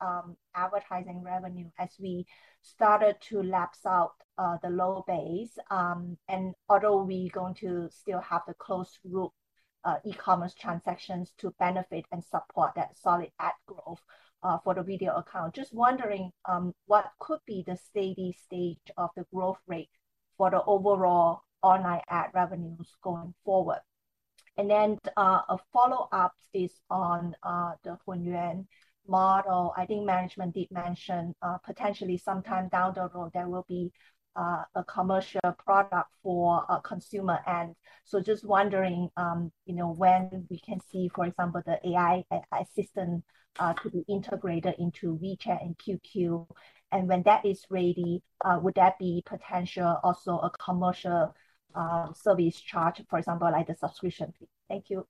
advertising revenue. As we started to lapse out the low base, and although we going to still have the closed loop e-commerce transactions to benefit and support that solid ad growth for the Video Accounts. Just wondering what could be the steady state of the growth rate for the overall online ad revenues going forward? And then a follow-up is on the Hunyuan model. I think management did mention potentially sometime down the road, there will be a commercial product for a consumer ad. So just wondering, you know, when we can see, for example, the AI assistant to be integrated into WeChat and QQ, and when that is ready, would that be potential also a commercial service charge, for example, like the subscription fee? Thank you.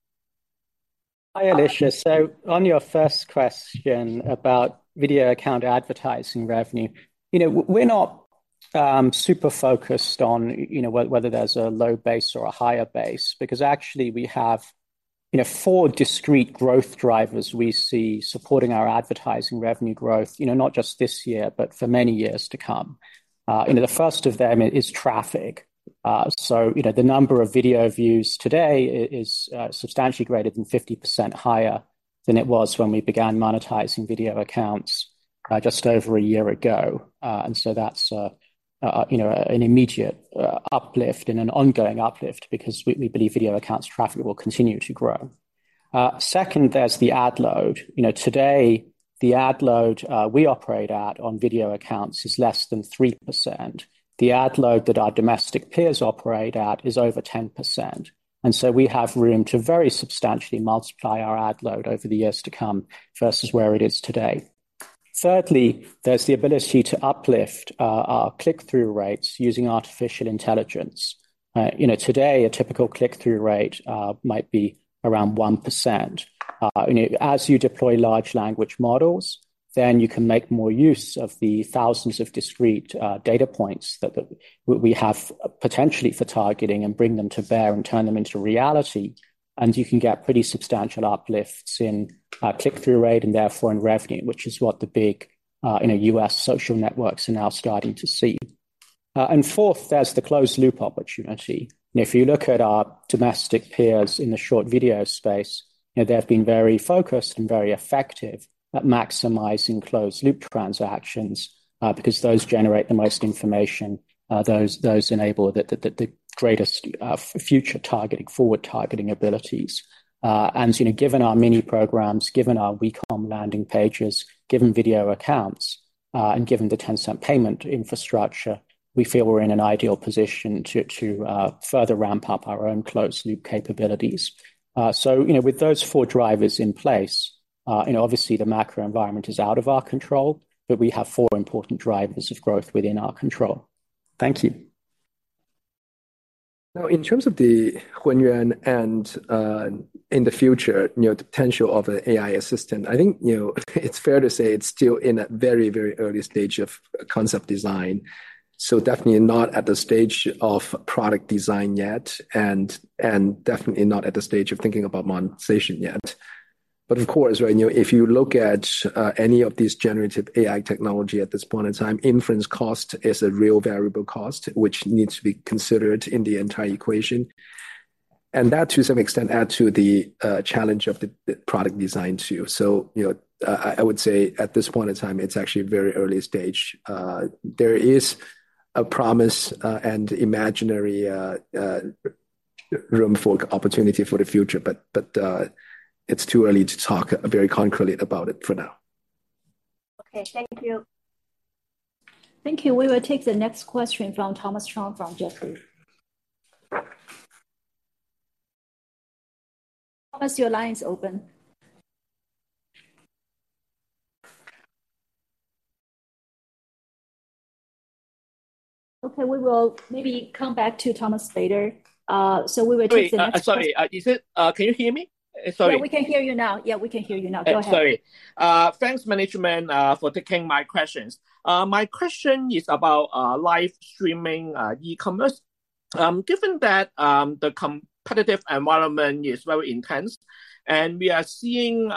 Hi, Alicia. So on your first question about Video Accounts advertising revenue, you know, we're not super focused on, you know, whether there's a low base or a higher base, because actually we have, you know, four discrete growth drivers we see supporting our advertising revenue growth, you know, not just this year, but for many years to come. You know, the first of them is traffic. So, you know, the number of video views today is substantially greater than 50% higher than it was when we began monetizing Video Accounts, just over a year ago. And so that's, you know, an immediate uplift and an ongoing uplift because we believe Video Accounts traffic will continue to grow. Second, there's the ad load. You know, today, the ad load we operate at on Video Accounts is less than 3%. The ad load that our domestic peers operate at is over 10%, and so we have room to very substantially multiply our ad load over the years to come versus where it is today. Thirdly, there's the ability to uplift our click-through rates using artificial intelligence. You know, today, a typical click-through rate might be around 1%. You know, as you deploy large language models, then you can make more use of the thousands of discrete data points that we have potentially for targeting and bring them to bear and turn them into reality, and you can get pretty substantial uplifts in click-through rate and therefore in revenue, which is what the big, you know, US social networks are now starting to see. And fourth, there's the closed loop opportunity. If you look at our domestic peers in the short video space, you know, they've been very focused and very effective at maximizing closed-loop transactions because those generate the most information, those enable the greatest future targeting, forward targeting abilities. You know, given our Mini Programs, given our WeCom landing pages, given Video Accounts, and given the Tencent payment infrastructure, we feel we're in an ideal position to further ramp up our own closed loop capabilities. You know, with those four drivers in place, you know, obviously the macro environment is out of our control, but we have four important drivers of growth within our control. Thank you. Now, in terms of the Hunyuan and in the future, you know, potential of an AI assistant, I think, you know, it's fair to say it's still in a very, very early stage of concept design. So definitely not at the stage of product design yet, and definitely not at the stage of thinking about monetization yet. But of course, right, you know, if you look at any of these generative AI technology at this point in time, inference cost is a real variable cost, which needs to be considered in the entire equation, and that, to some extent, add to the challenge of the product design, too. So, you know, I would say at this point in time, it's actually a very early stage. There is a promise, and imaginary, room for opportunity for the future, but it's too early to talk very concretely about it for now.... Okay, thank you. Thank you. We will take the next question from Thomas Chong from Jefferies. Thomas, your line is open. Okay, we will maybe come back to Thomas later. So, we will take the next question. Sorry, can you hear me? Sorry. Yeah, we can hear you now. Yeah, we can hear you now. Go ahead. Sorry. Thanks, management, for taking my questions. My question is about live streaming e-commerce. Given that the competitive environment is very intense, and we are seeing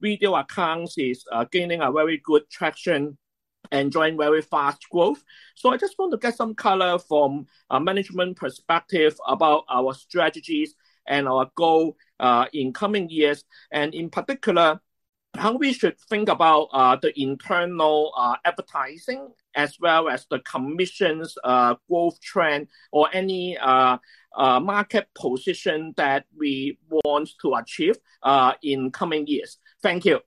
Video Accounts is gaining a very good traction and showing very fast growth. So I just want to get some color from a management perspective about our strategies and our goal in coming years, and in particular, how we should think about the internal advertising as well as the commissions growth trend or any market position that we want to achieve in coming years. Thank you.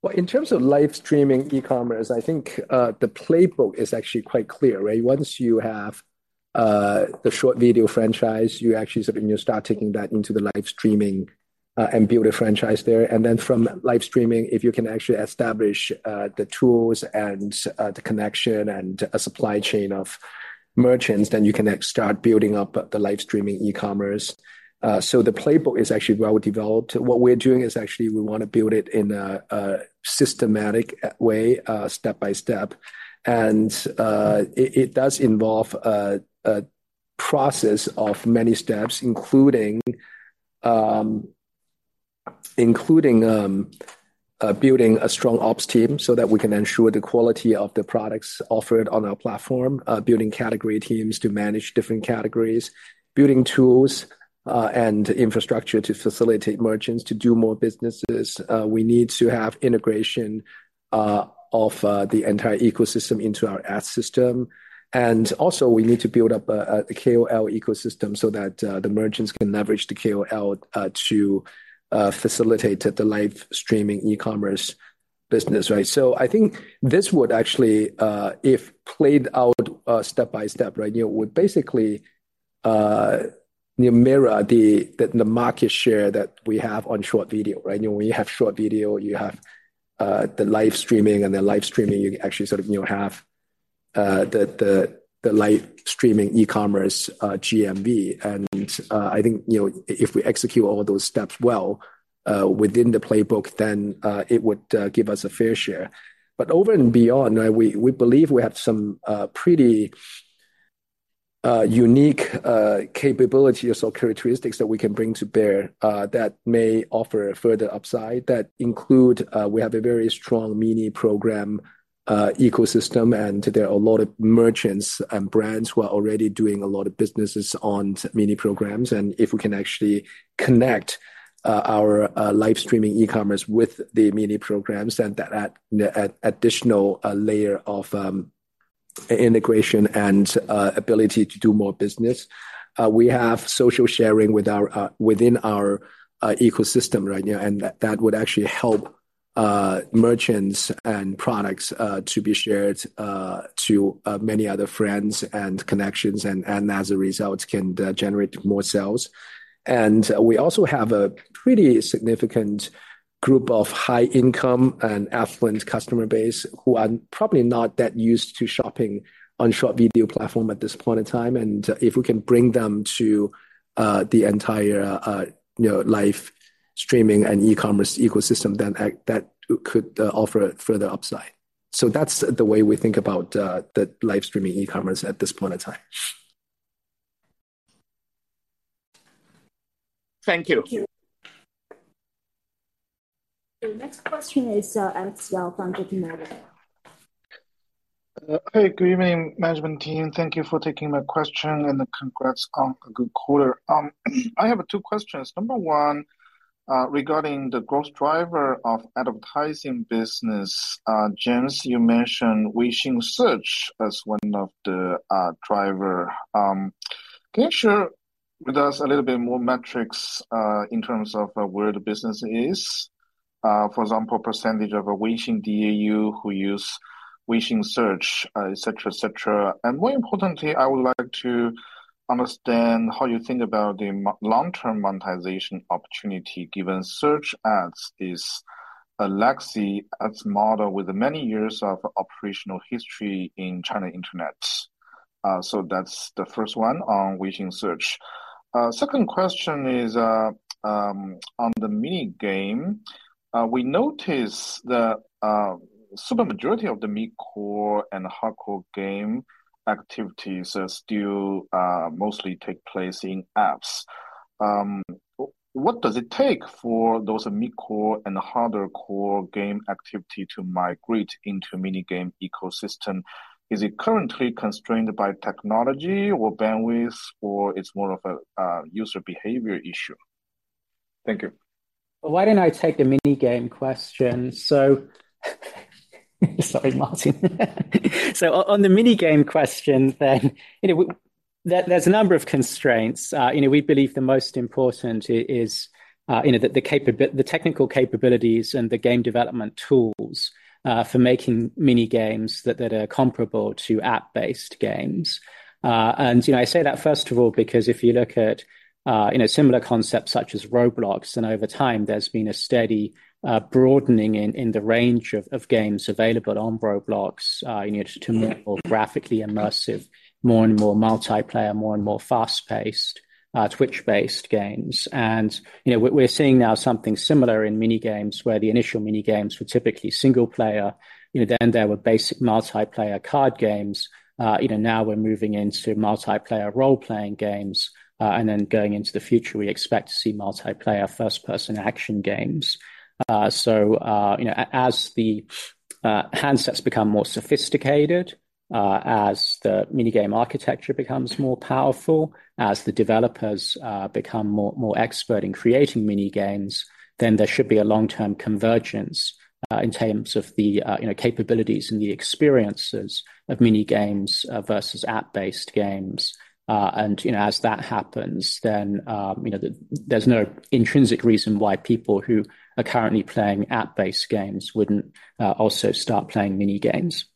Well, in terms of live streaming e-commerce, I think the playbook is actually quite clear, right? Once you have the short video franchise, you actually sort of, you know, start taking that into the live streaming and build a franchise there. And then from live streaming, if you can actually establish the tools and the connection and a supply chain of merchants, then you can start building up the live streaming e-commerce. So the playbook is actually well developed. What we're doing is actually we wanna build it in a systematic way, step by step. It does involve a process of many steps, including building a strong ops team so that we can ensure the quality of the products offered on our platform, building category teams to manage different categories, building tools and infrastructure to facilitate merchants to do more businesses. We need to have integration of the entire ecosystem into our ad system. And also, we need to build up a KOL ecosystem so that the merchants can leverage the KOL to facilitate the live streaming e-commerce business, right? So I think this would actually, if played out, step by step, right, you know, would basically, you know, mirror the market share that we have on short video, right? You know, when you have short video, you have the live streaming, and the live streaming, you actually sort of, you know, have the live streaming e-commerce GMV. And I think, you know, if we execute all those steps well within the playbook, then it would give us a fair share. But over and beyond, we believe we have some pretty unique capabilities or characteristics that we can bring to bear, that may offer a further upside. That include, we have a very strong Mini Program ecosystem, and there are a lot of merchants and brands who are already doing a lot of businesses on Mini Programs. And if we can actually connect our live streaming e-commerce with the Mini Programs, then that add additional layer of integration and ability to do more business. We have social sharing within our ecosystem right now, and that would actually help merchants and products to be shared to many other friends and connections, and as a result, can generate more sales. And we also have a pretty significant group of high-income and affluent customer base who are probably not that used to shopping on short video platform at this point in time. And if we can bring them to the entire you know live streaming and e-commerce ecosystem, then that could offer further upside. So that's the way we think about the live streaming e-commerce at this point in time. Thank you. Thank you. The next question is, Alex Yao from Goldman Sachs. Hey, good evening, management team. Thank you for taking my question, and congrats on a good quarter. I have two questions. Number one, regarding the growth driver of advertising business. James, you mentioned Weixin Search as one of the driver. Can you share with us a little bit more metrics, in terms of, where the business is? For example, percentage of a Weixin DAU who use Weixin Search, et cetera, et cetera. And more importantly, I would like to understand how you think about the long-term monetization opportunity, given search ads is a legacy ads model with many years of operational history in China internet. So that's the first one on Weixin Search. Second question is, on the mini game. We noticed that super majority of the mid-core and hardcore game activities are still mostly take place in apps. What does it take for those mid-core and harder core game activity to migrate into mini game ecosystem? Is it currently constrained by technology or bandwidth, or it's more of a user behavior issue? Thank you. Why don't I take the mini game question? Sorry, Martin. So on the mini game question, then, you know, there, there's a number of constraints. You know, we believe the most important is, you know, the, the technical capabilities and the game development tools, for making mini games that are comparable to app-based games. And, you know, I say that, first of all, because if you look at, you know, similar concepts such as Roblox, and over time, there's been a steady, broadening in, in the range of, of games available on Roblox, you know, to more graphically immersive, more and more multiplayer, more and more fast-paced, Twitch-based games. And, you know, we're seeing now something similar in mini games, where the initial mini games were typically single player. You know, then there were basic multiplayer card games. You know, now we're moving into multiplayer role-playing games, and then going into the future, we expect to see multiplayer first-person action games. So, you know, as the handsets become more sophisticated, as the mini game architecture becomes more powerful, as the developers become more expert in creating mini games, then there should be a long-term convergence in terms of the you know, capabilities and the experiences of mini games versus app-based games. And, you know, as that happens, then, you know, there's no intrinsic reason why people who are currently playing app-based games wouldn't also start playing mini games.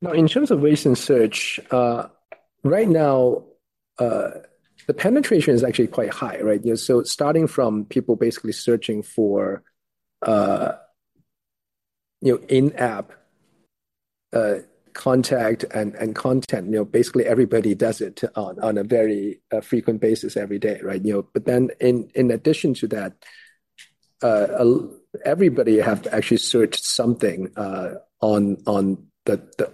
Now, in terms of Weixin Search, right now, the penetration is actually quite high, right? You know, so starting from people basically searching for, you know, in-app contact and content, you know, basically everybody does it on a very frequent basis every day, right? You know, but then in addition to that, everybody have to actually search something on the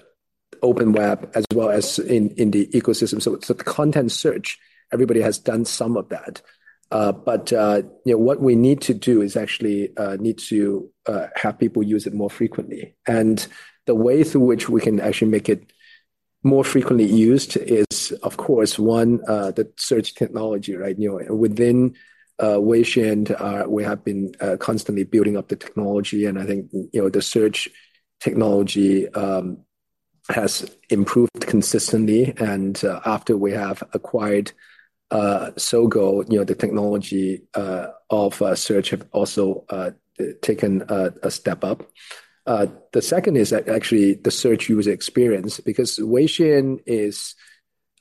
open web as well as in the ecosystem. So the content search, everybody has done some of that. But you know, what we need to do is actually need to have people use it more frequently. And the way through which we can actually make it more frequently used is, of course, one, the search technology, right? You know, within Weixin, we have been constantly building up the technology, and I think, you know, the search technology has improved consistently. And after we have acquired Sogou, you know, the technology of search have also taken a step up. The second is that actually the search user experience, because Weixin is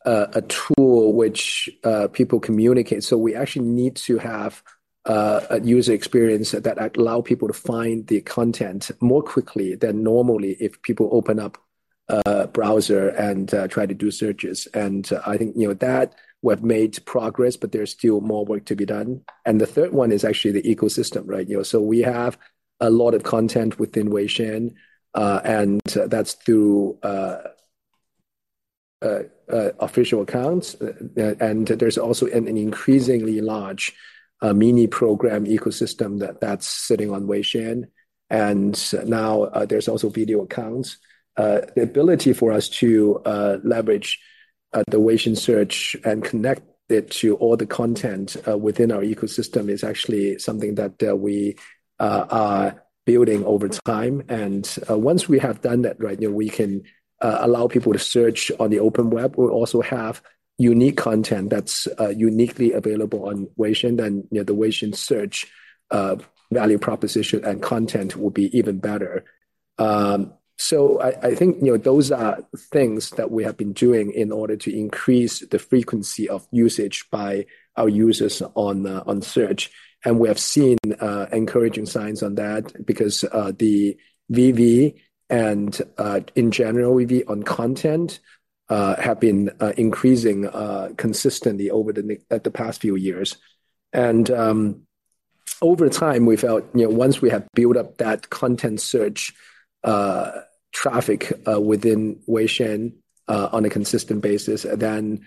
a tool which people communicate, so we actually need to have a user experience that allow people to find the content more quickly than normally if people open up a browser and try to do searches. And I think, you know, that we've made progress, but there's still more work to be done. And the third one is actually the ecosystem, right? You know, so we have a lot of content within Weixin, and that's through official accounts, and there's also an increasingly large Mini Program ecosystem that's sitting on Weixin. And now, there's also Video Accounts. The ability for us to leverage the Weixin Search and connect it to all the content within our ecosystem is actually something that we are building over time. And, once we have done that, right, then we can allow people to search on the open web. We'll also have unique content that's uniquely available on Weixin, then, you know, the Weixin Search value proposition and content will be even better. So I think, you know, those are things that we have been doing in order to increase the frequency of usage by our users on search. And we have seen encouraging signs on that because the VV and, in general, VV on content have been increasing consistently over the past few years. And over time, we felt, you know, once we have built up that content search traffic within Weixin on a consistent basis, then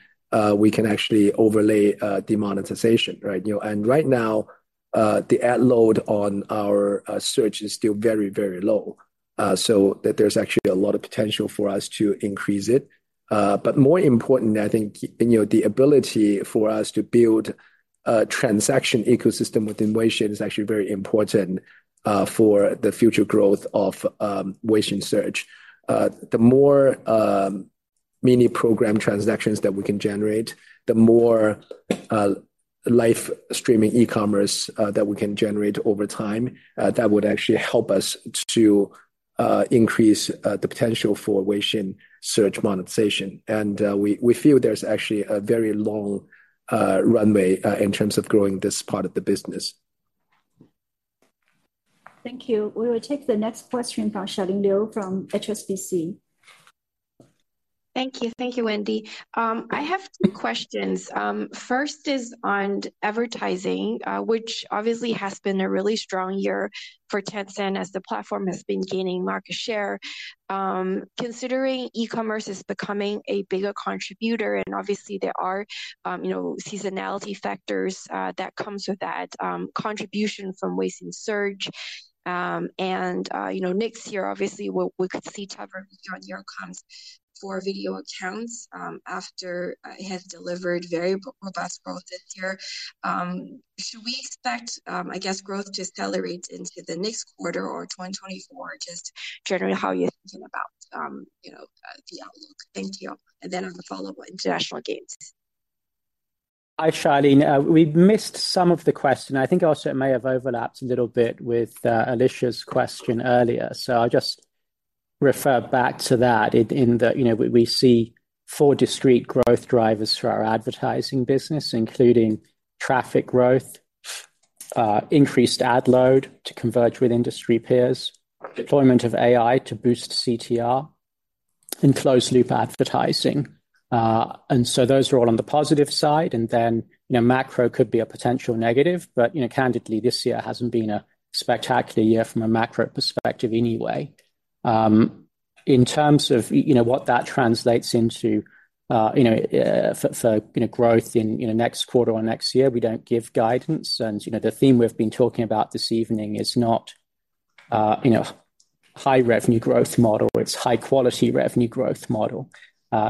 we can actually overlay the monetization, right? You know, and right now the ad load on our search is still very, very low, so that there's actually a lot of potential for us to increase it. But more important, I think, you know, the ability for us to build a transaction ecosystem within Weixin is actually very important for the future growth of Weixin Search. The more Mini Program transactions that we can generate, the more live streaming e-commerce that we can generate over time, that would actually help us to increase the potential for Weixin Search monetization. And we feel there's actually a very long runway in terms of growing this part of the business. Thank you. We will take the next question from Charlene Liu from HSBC. Thank you. Thank you, Wendy. I have two questions. First is on advertising, which obviously has been a really strong year for Tencent as the platform has been gaining market share. Considering e-commerce is becoming a bigger contributor, and obviously there are, you know, seasonality factors that comes with that contribution from Weixin Search. And, you know, next year, obviously, we could see tougher year-on-year accounts for Video Accounts, after it has delivered very robust growth this year. Should we expect, I guess, growth to accelerate into the next quarter or 2024? Just generally, how are you thinking about, you know, the outlook? Thank you. Then on the follow-up international games.... Hi, Charlene. We've missed some of the question. I think also it may have overlapped a little bit with Alicia's question earlier. So I'll just refer back to that. In the, you know, we see four discrete growth drivers for our advertising business, including traffic growth, increased ad load to converge with industry peers, deployment of AI to boost CTR, and closed-loop advertising. And so those are all on the positive side, and then, you know, macro could be a potential negative. But, you know, candidly, this year hasn't been a spectacular year from a macro perspective anyway. In terms of, you know, what that translates into, you know, for growth in next quarter or next year, we don't give guidance. You know, the theme we've been talking about this evening is not, you know, high revenue growth model, it's high quality revenue growth model.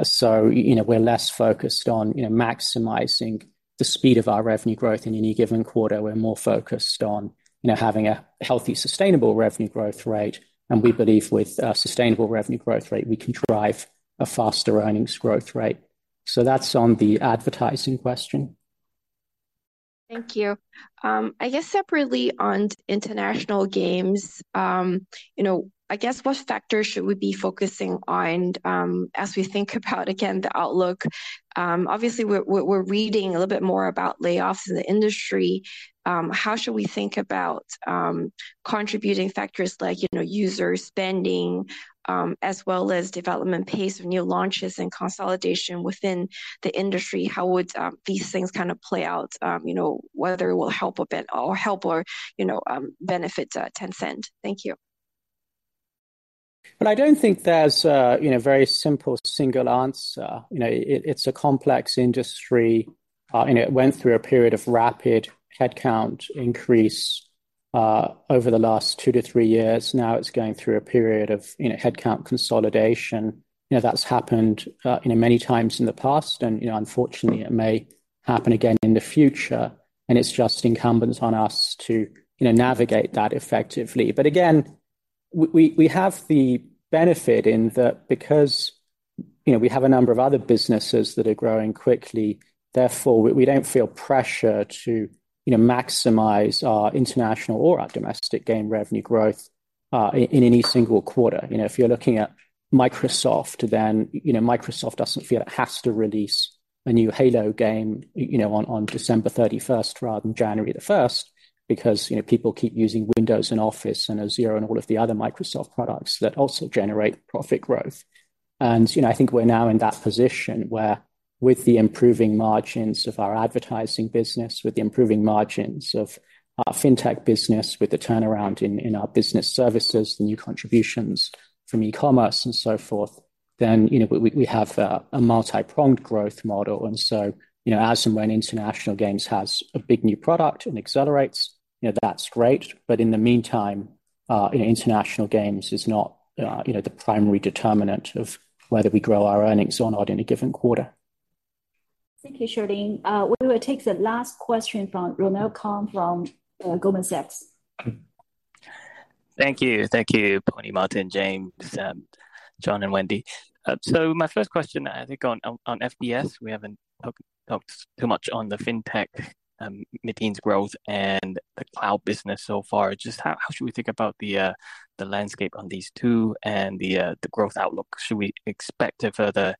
So, you know, we're less focused on, you know, maximizing the speed of our revenue growth in any given quarter. We're more focused on, you know, having a healthy, sustainable revenue growth rate, and we believe with a sustainable revenue growth rate, we can drive a faster earnings growth rate. So that's on the advertising question. Thank you. I guess separately on international games, you know, I guess what factors should we be focusing on, as we think about, again, the outlook? Obviously, we're reading a little bit more about layoffs in the industry. How should we think about, contributing factors like, you know, user spending, as well as development pace of new launches and consolidation within the industry? How would these things kind of play out, you know, whether it will help a bit or help or, you know, benefit Tencent? Thank you. Well, I don't think there's a, you know, very simple single answer. You know, it, it's a complex industry, and it went through a period of rapid headcount increase over the last two to three years. Now, it's going through a period of, you know, headcount consolidation. You know, that's happened many times in the past, and, you know, unfortunately, it may happen again in the future, and it's just incumbent on us to, you know, navigate that effectively. But again, we have the benefit in that because, you know, we have a number of other businesses that are growing quickly, therefore, we don't feel pressure to, you know, maximize our international or our domestic game revenue growth in any single quarter. You know, if you're looking at Microsoft, then, you know, Microsoft doesn't feel it has to release a new Halo game, you know, on December 31st rather than January 1st, because, you know, people keep using Windows and Office and Azure and all of the other Microsoft products that also generate profit growth. And, you know, I think we're now in that position where with the improving margins of our advertising business, with the improving margins of our FinTech business, with the turnaround in our business services, the new contributions from e-commerce, and so forth, then, you know, we have a multi-pronged growth model. And so, you know, as and when international games has a big new product and accelerates, you know, that's great. But in the meantime, you know, international games is not, you know, the primary determinant of whether we grow our earnings or not in a given quarter. Thank you, Charlene. We will take the last question from Ronald Keung from Goldman Sachs. Thank you. Thank you, Pony, Martin, James, John, and Wendy. So my first question, I think on FBS, we haven't talked too much on the FinTech, NetEase growth and the cloud business so far. Just how should we think about the landscape on these two and the growth outlook? Should we expect a further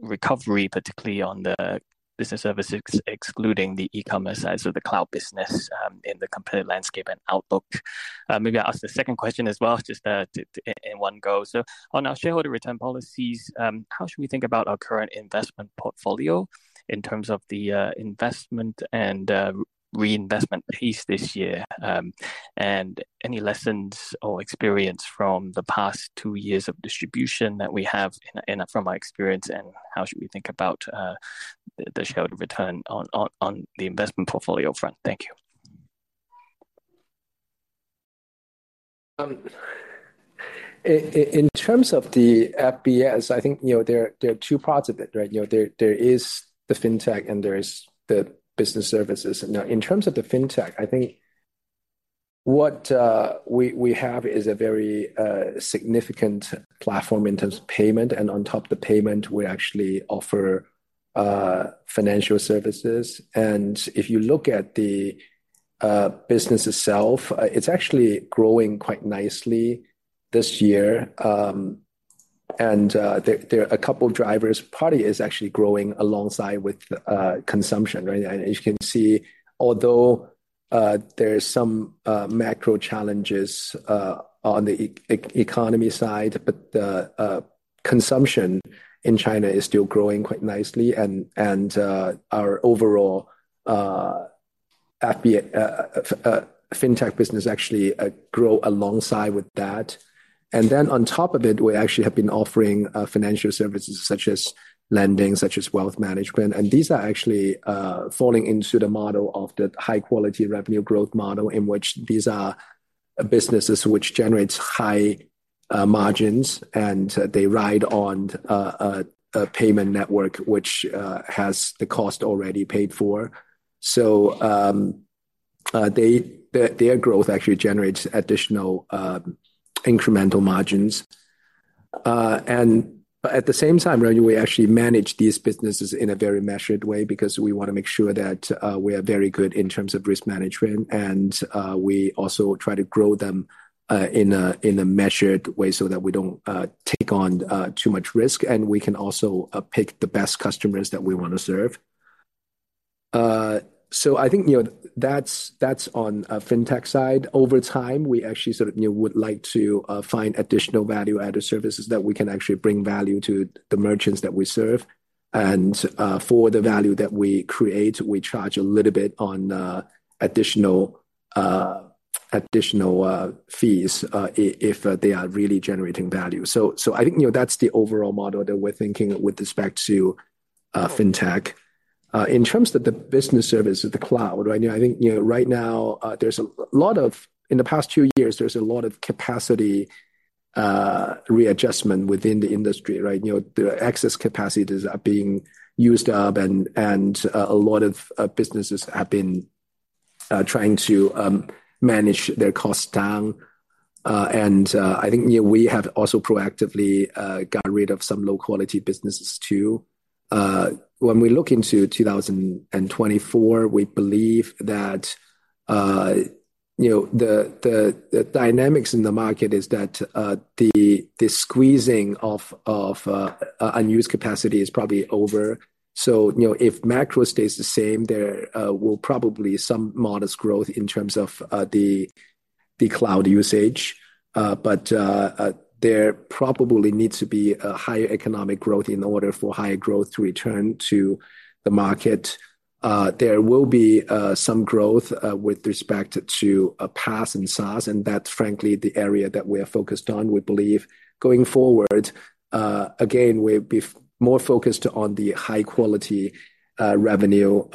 recovery, particularly on the business services, excluding the e-commerce side, so the cloud business, in the competitive landscape and outlook? Maybe I'll ask the second question as well, just in one go. So on our shareholder return policies, how should we think about our current investment portfolio in terms of the investment and reinvestment piece this year? And any lessons or experience from the past two years of distribution that we have in... From our experience, and how should we think about the shareholder return on the investment portfolio front? Thank you. In terms of the FBS, I think, you know, there are two parts of it, right? You know, there is the FinTech and there is the business services. Now, in terms of the FinTech, I think what we have is a very significant platform in terms of payment, and on top of the payment, we actually offer financial services. And if you look at the business itself, it's actually growing quite nicely this year. And there are a couple of drivers. Part of it is actually growing alongside with consumption, right? As you can see, although there's some macro challenges on the economy side, but the consumption in China is still growing quite nicely, and our overall FB FinTech business actually grow alongside with that. Then on top of it, we actually have been offering financial services such as lending, such as wealth management, and these are actually falling into the model of the high-quality revenue growth model, in which these are businesses which generates high margins, and they ride on a payment network which has the cost already paid for. So, their growth actually generates additional incremental margins. And at the same time, right, we actually manage these businesses in a very measured way, because we wanna make sure that we are very good in terms of risk management. And we also try to grow them in a measured way so that we don't take on too much risk, and we can also pick the best customers that we wanna serve. So I think, you know, that's on FinTech side. Over time, we actually sort of, you know, would like to find additional value-added services that we can actually bring value to the merchants that we serve. And for the value that we create, we charge a little bit on additional fees if they are really generating value. So, I think, you know, that's the overall model that we're thinking with respect to, FinTech. In terms of the business service of the cloud, right, you know, I think, you know, right now, there's a lot of... In the past two years, there's a lot of capacity, readjustment within the industry, right? You know, the excess capacities are being used up, and, and, a lot of, businesses have been, trying to, manage their costs down. And, I think, you know, we have also proactively, got rid of some low-quality businesses, too. When we look into 2024, we believe that, you know, the, the, the dynamics in the market is that, the, the, squeezing of, of, unused capacity is probably over. So, you know, if macro stays the same, there will probably some modest growth in terms of the cloud usage. But there probably needs to be a higher economic growth in order for higher growth to return to the market. There will be some growth with respect to PaaS and SaaS, and that's frankly the area that we are focused on. We believe going forward, again, we'll be more focused on the high-quality revenue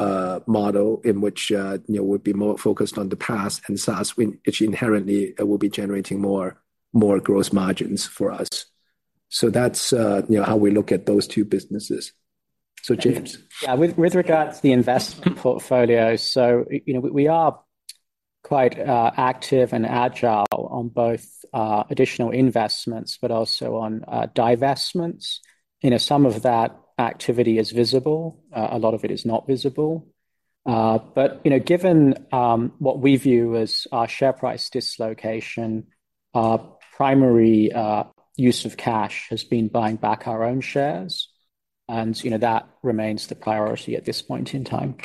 model, in which, you know, we'll be more focused on the PaaS and SaaS, which inherently will be generating more gross margins for us. So that's, you know, how we look at those two businesses. So, James? Yeah. With regards to the investment portfolio, so, you know, we are quite active and agile on both additional investments, but also on divestments. You know, some of that activity is visible, a lot of it is not visible. But, you know, given what we view as our share price dislocation, our primary use of cash has been buying back our own shares, and, you know, that remains the priority at this point in time.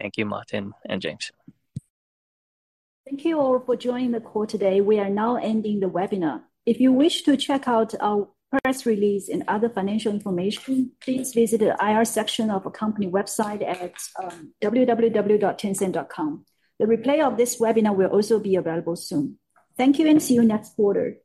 Thank you, Martin and James. Thank you all for joining the call today. We are now ending the webinar. If you wish to check out our press release and other financial information, please visit the IR section of our company website at www.tencent.com. The replay of this webinar will also be available soon. Thank you, and see you next quarter.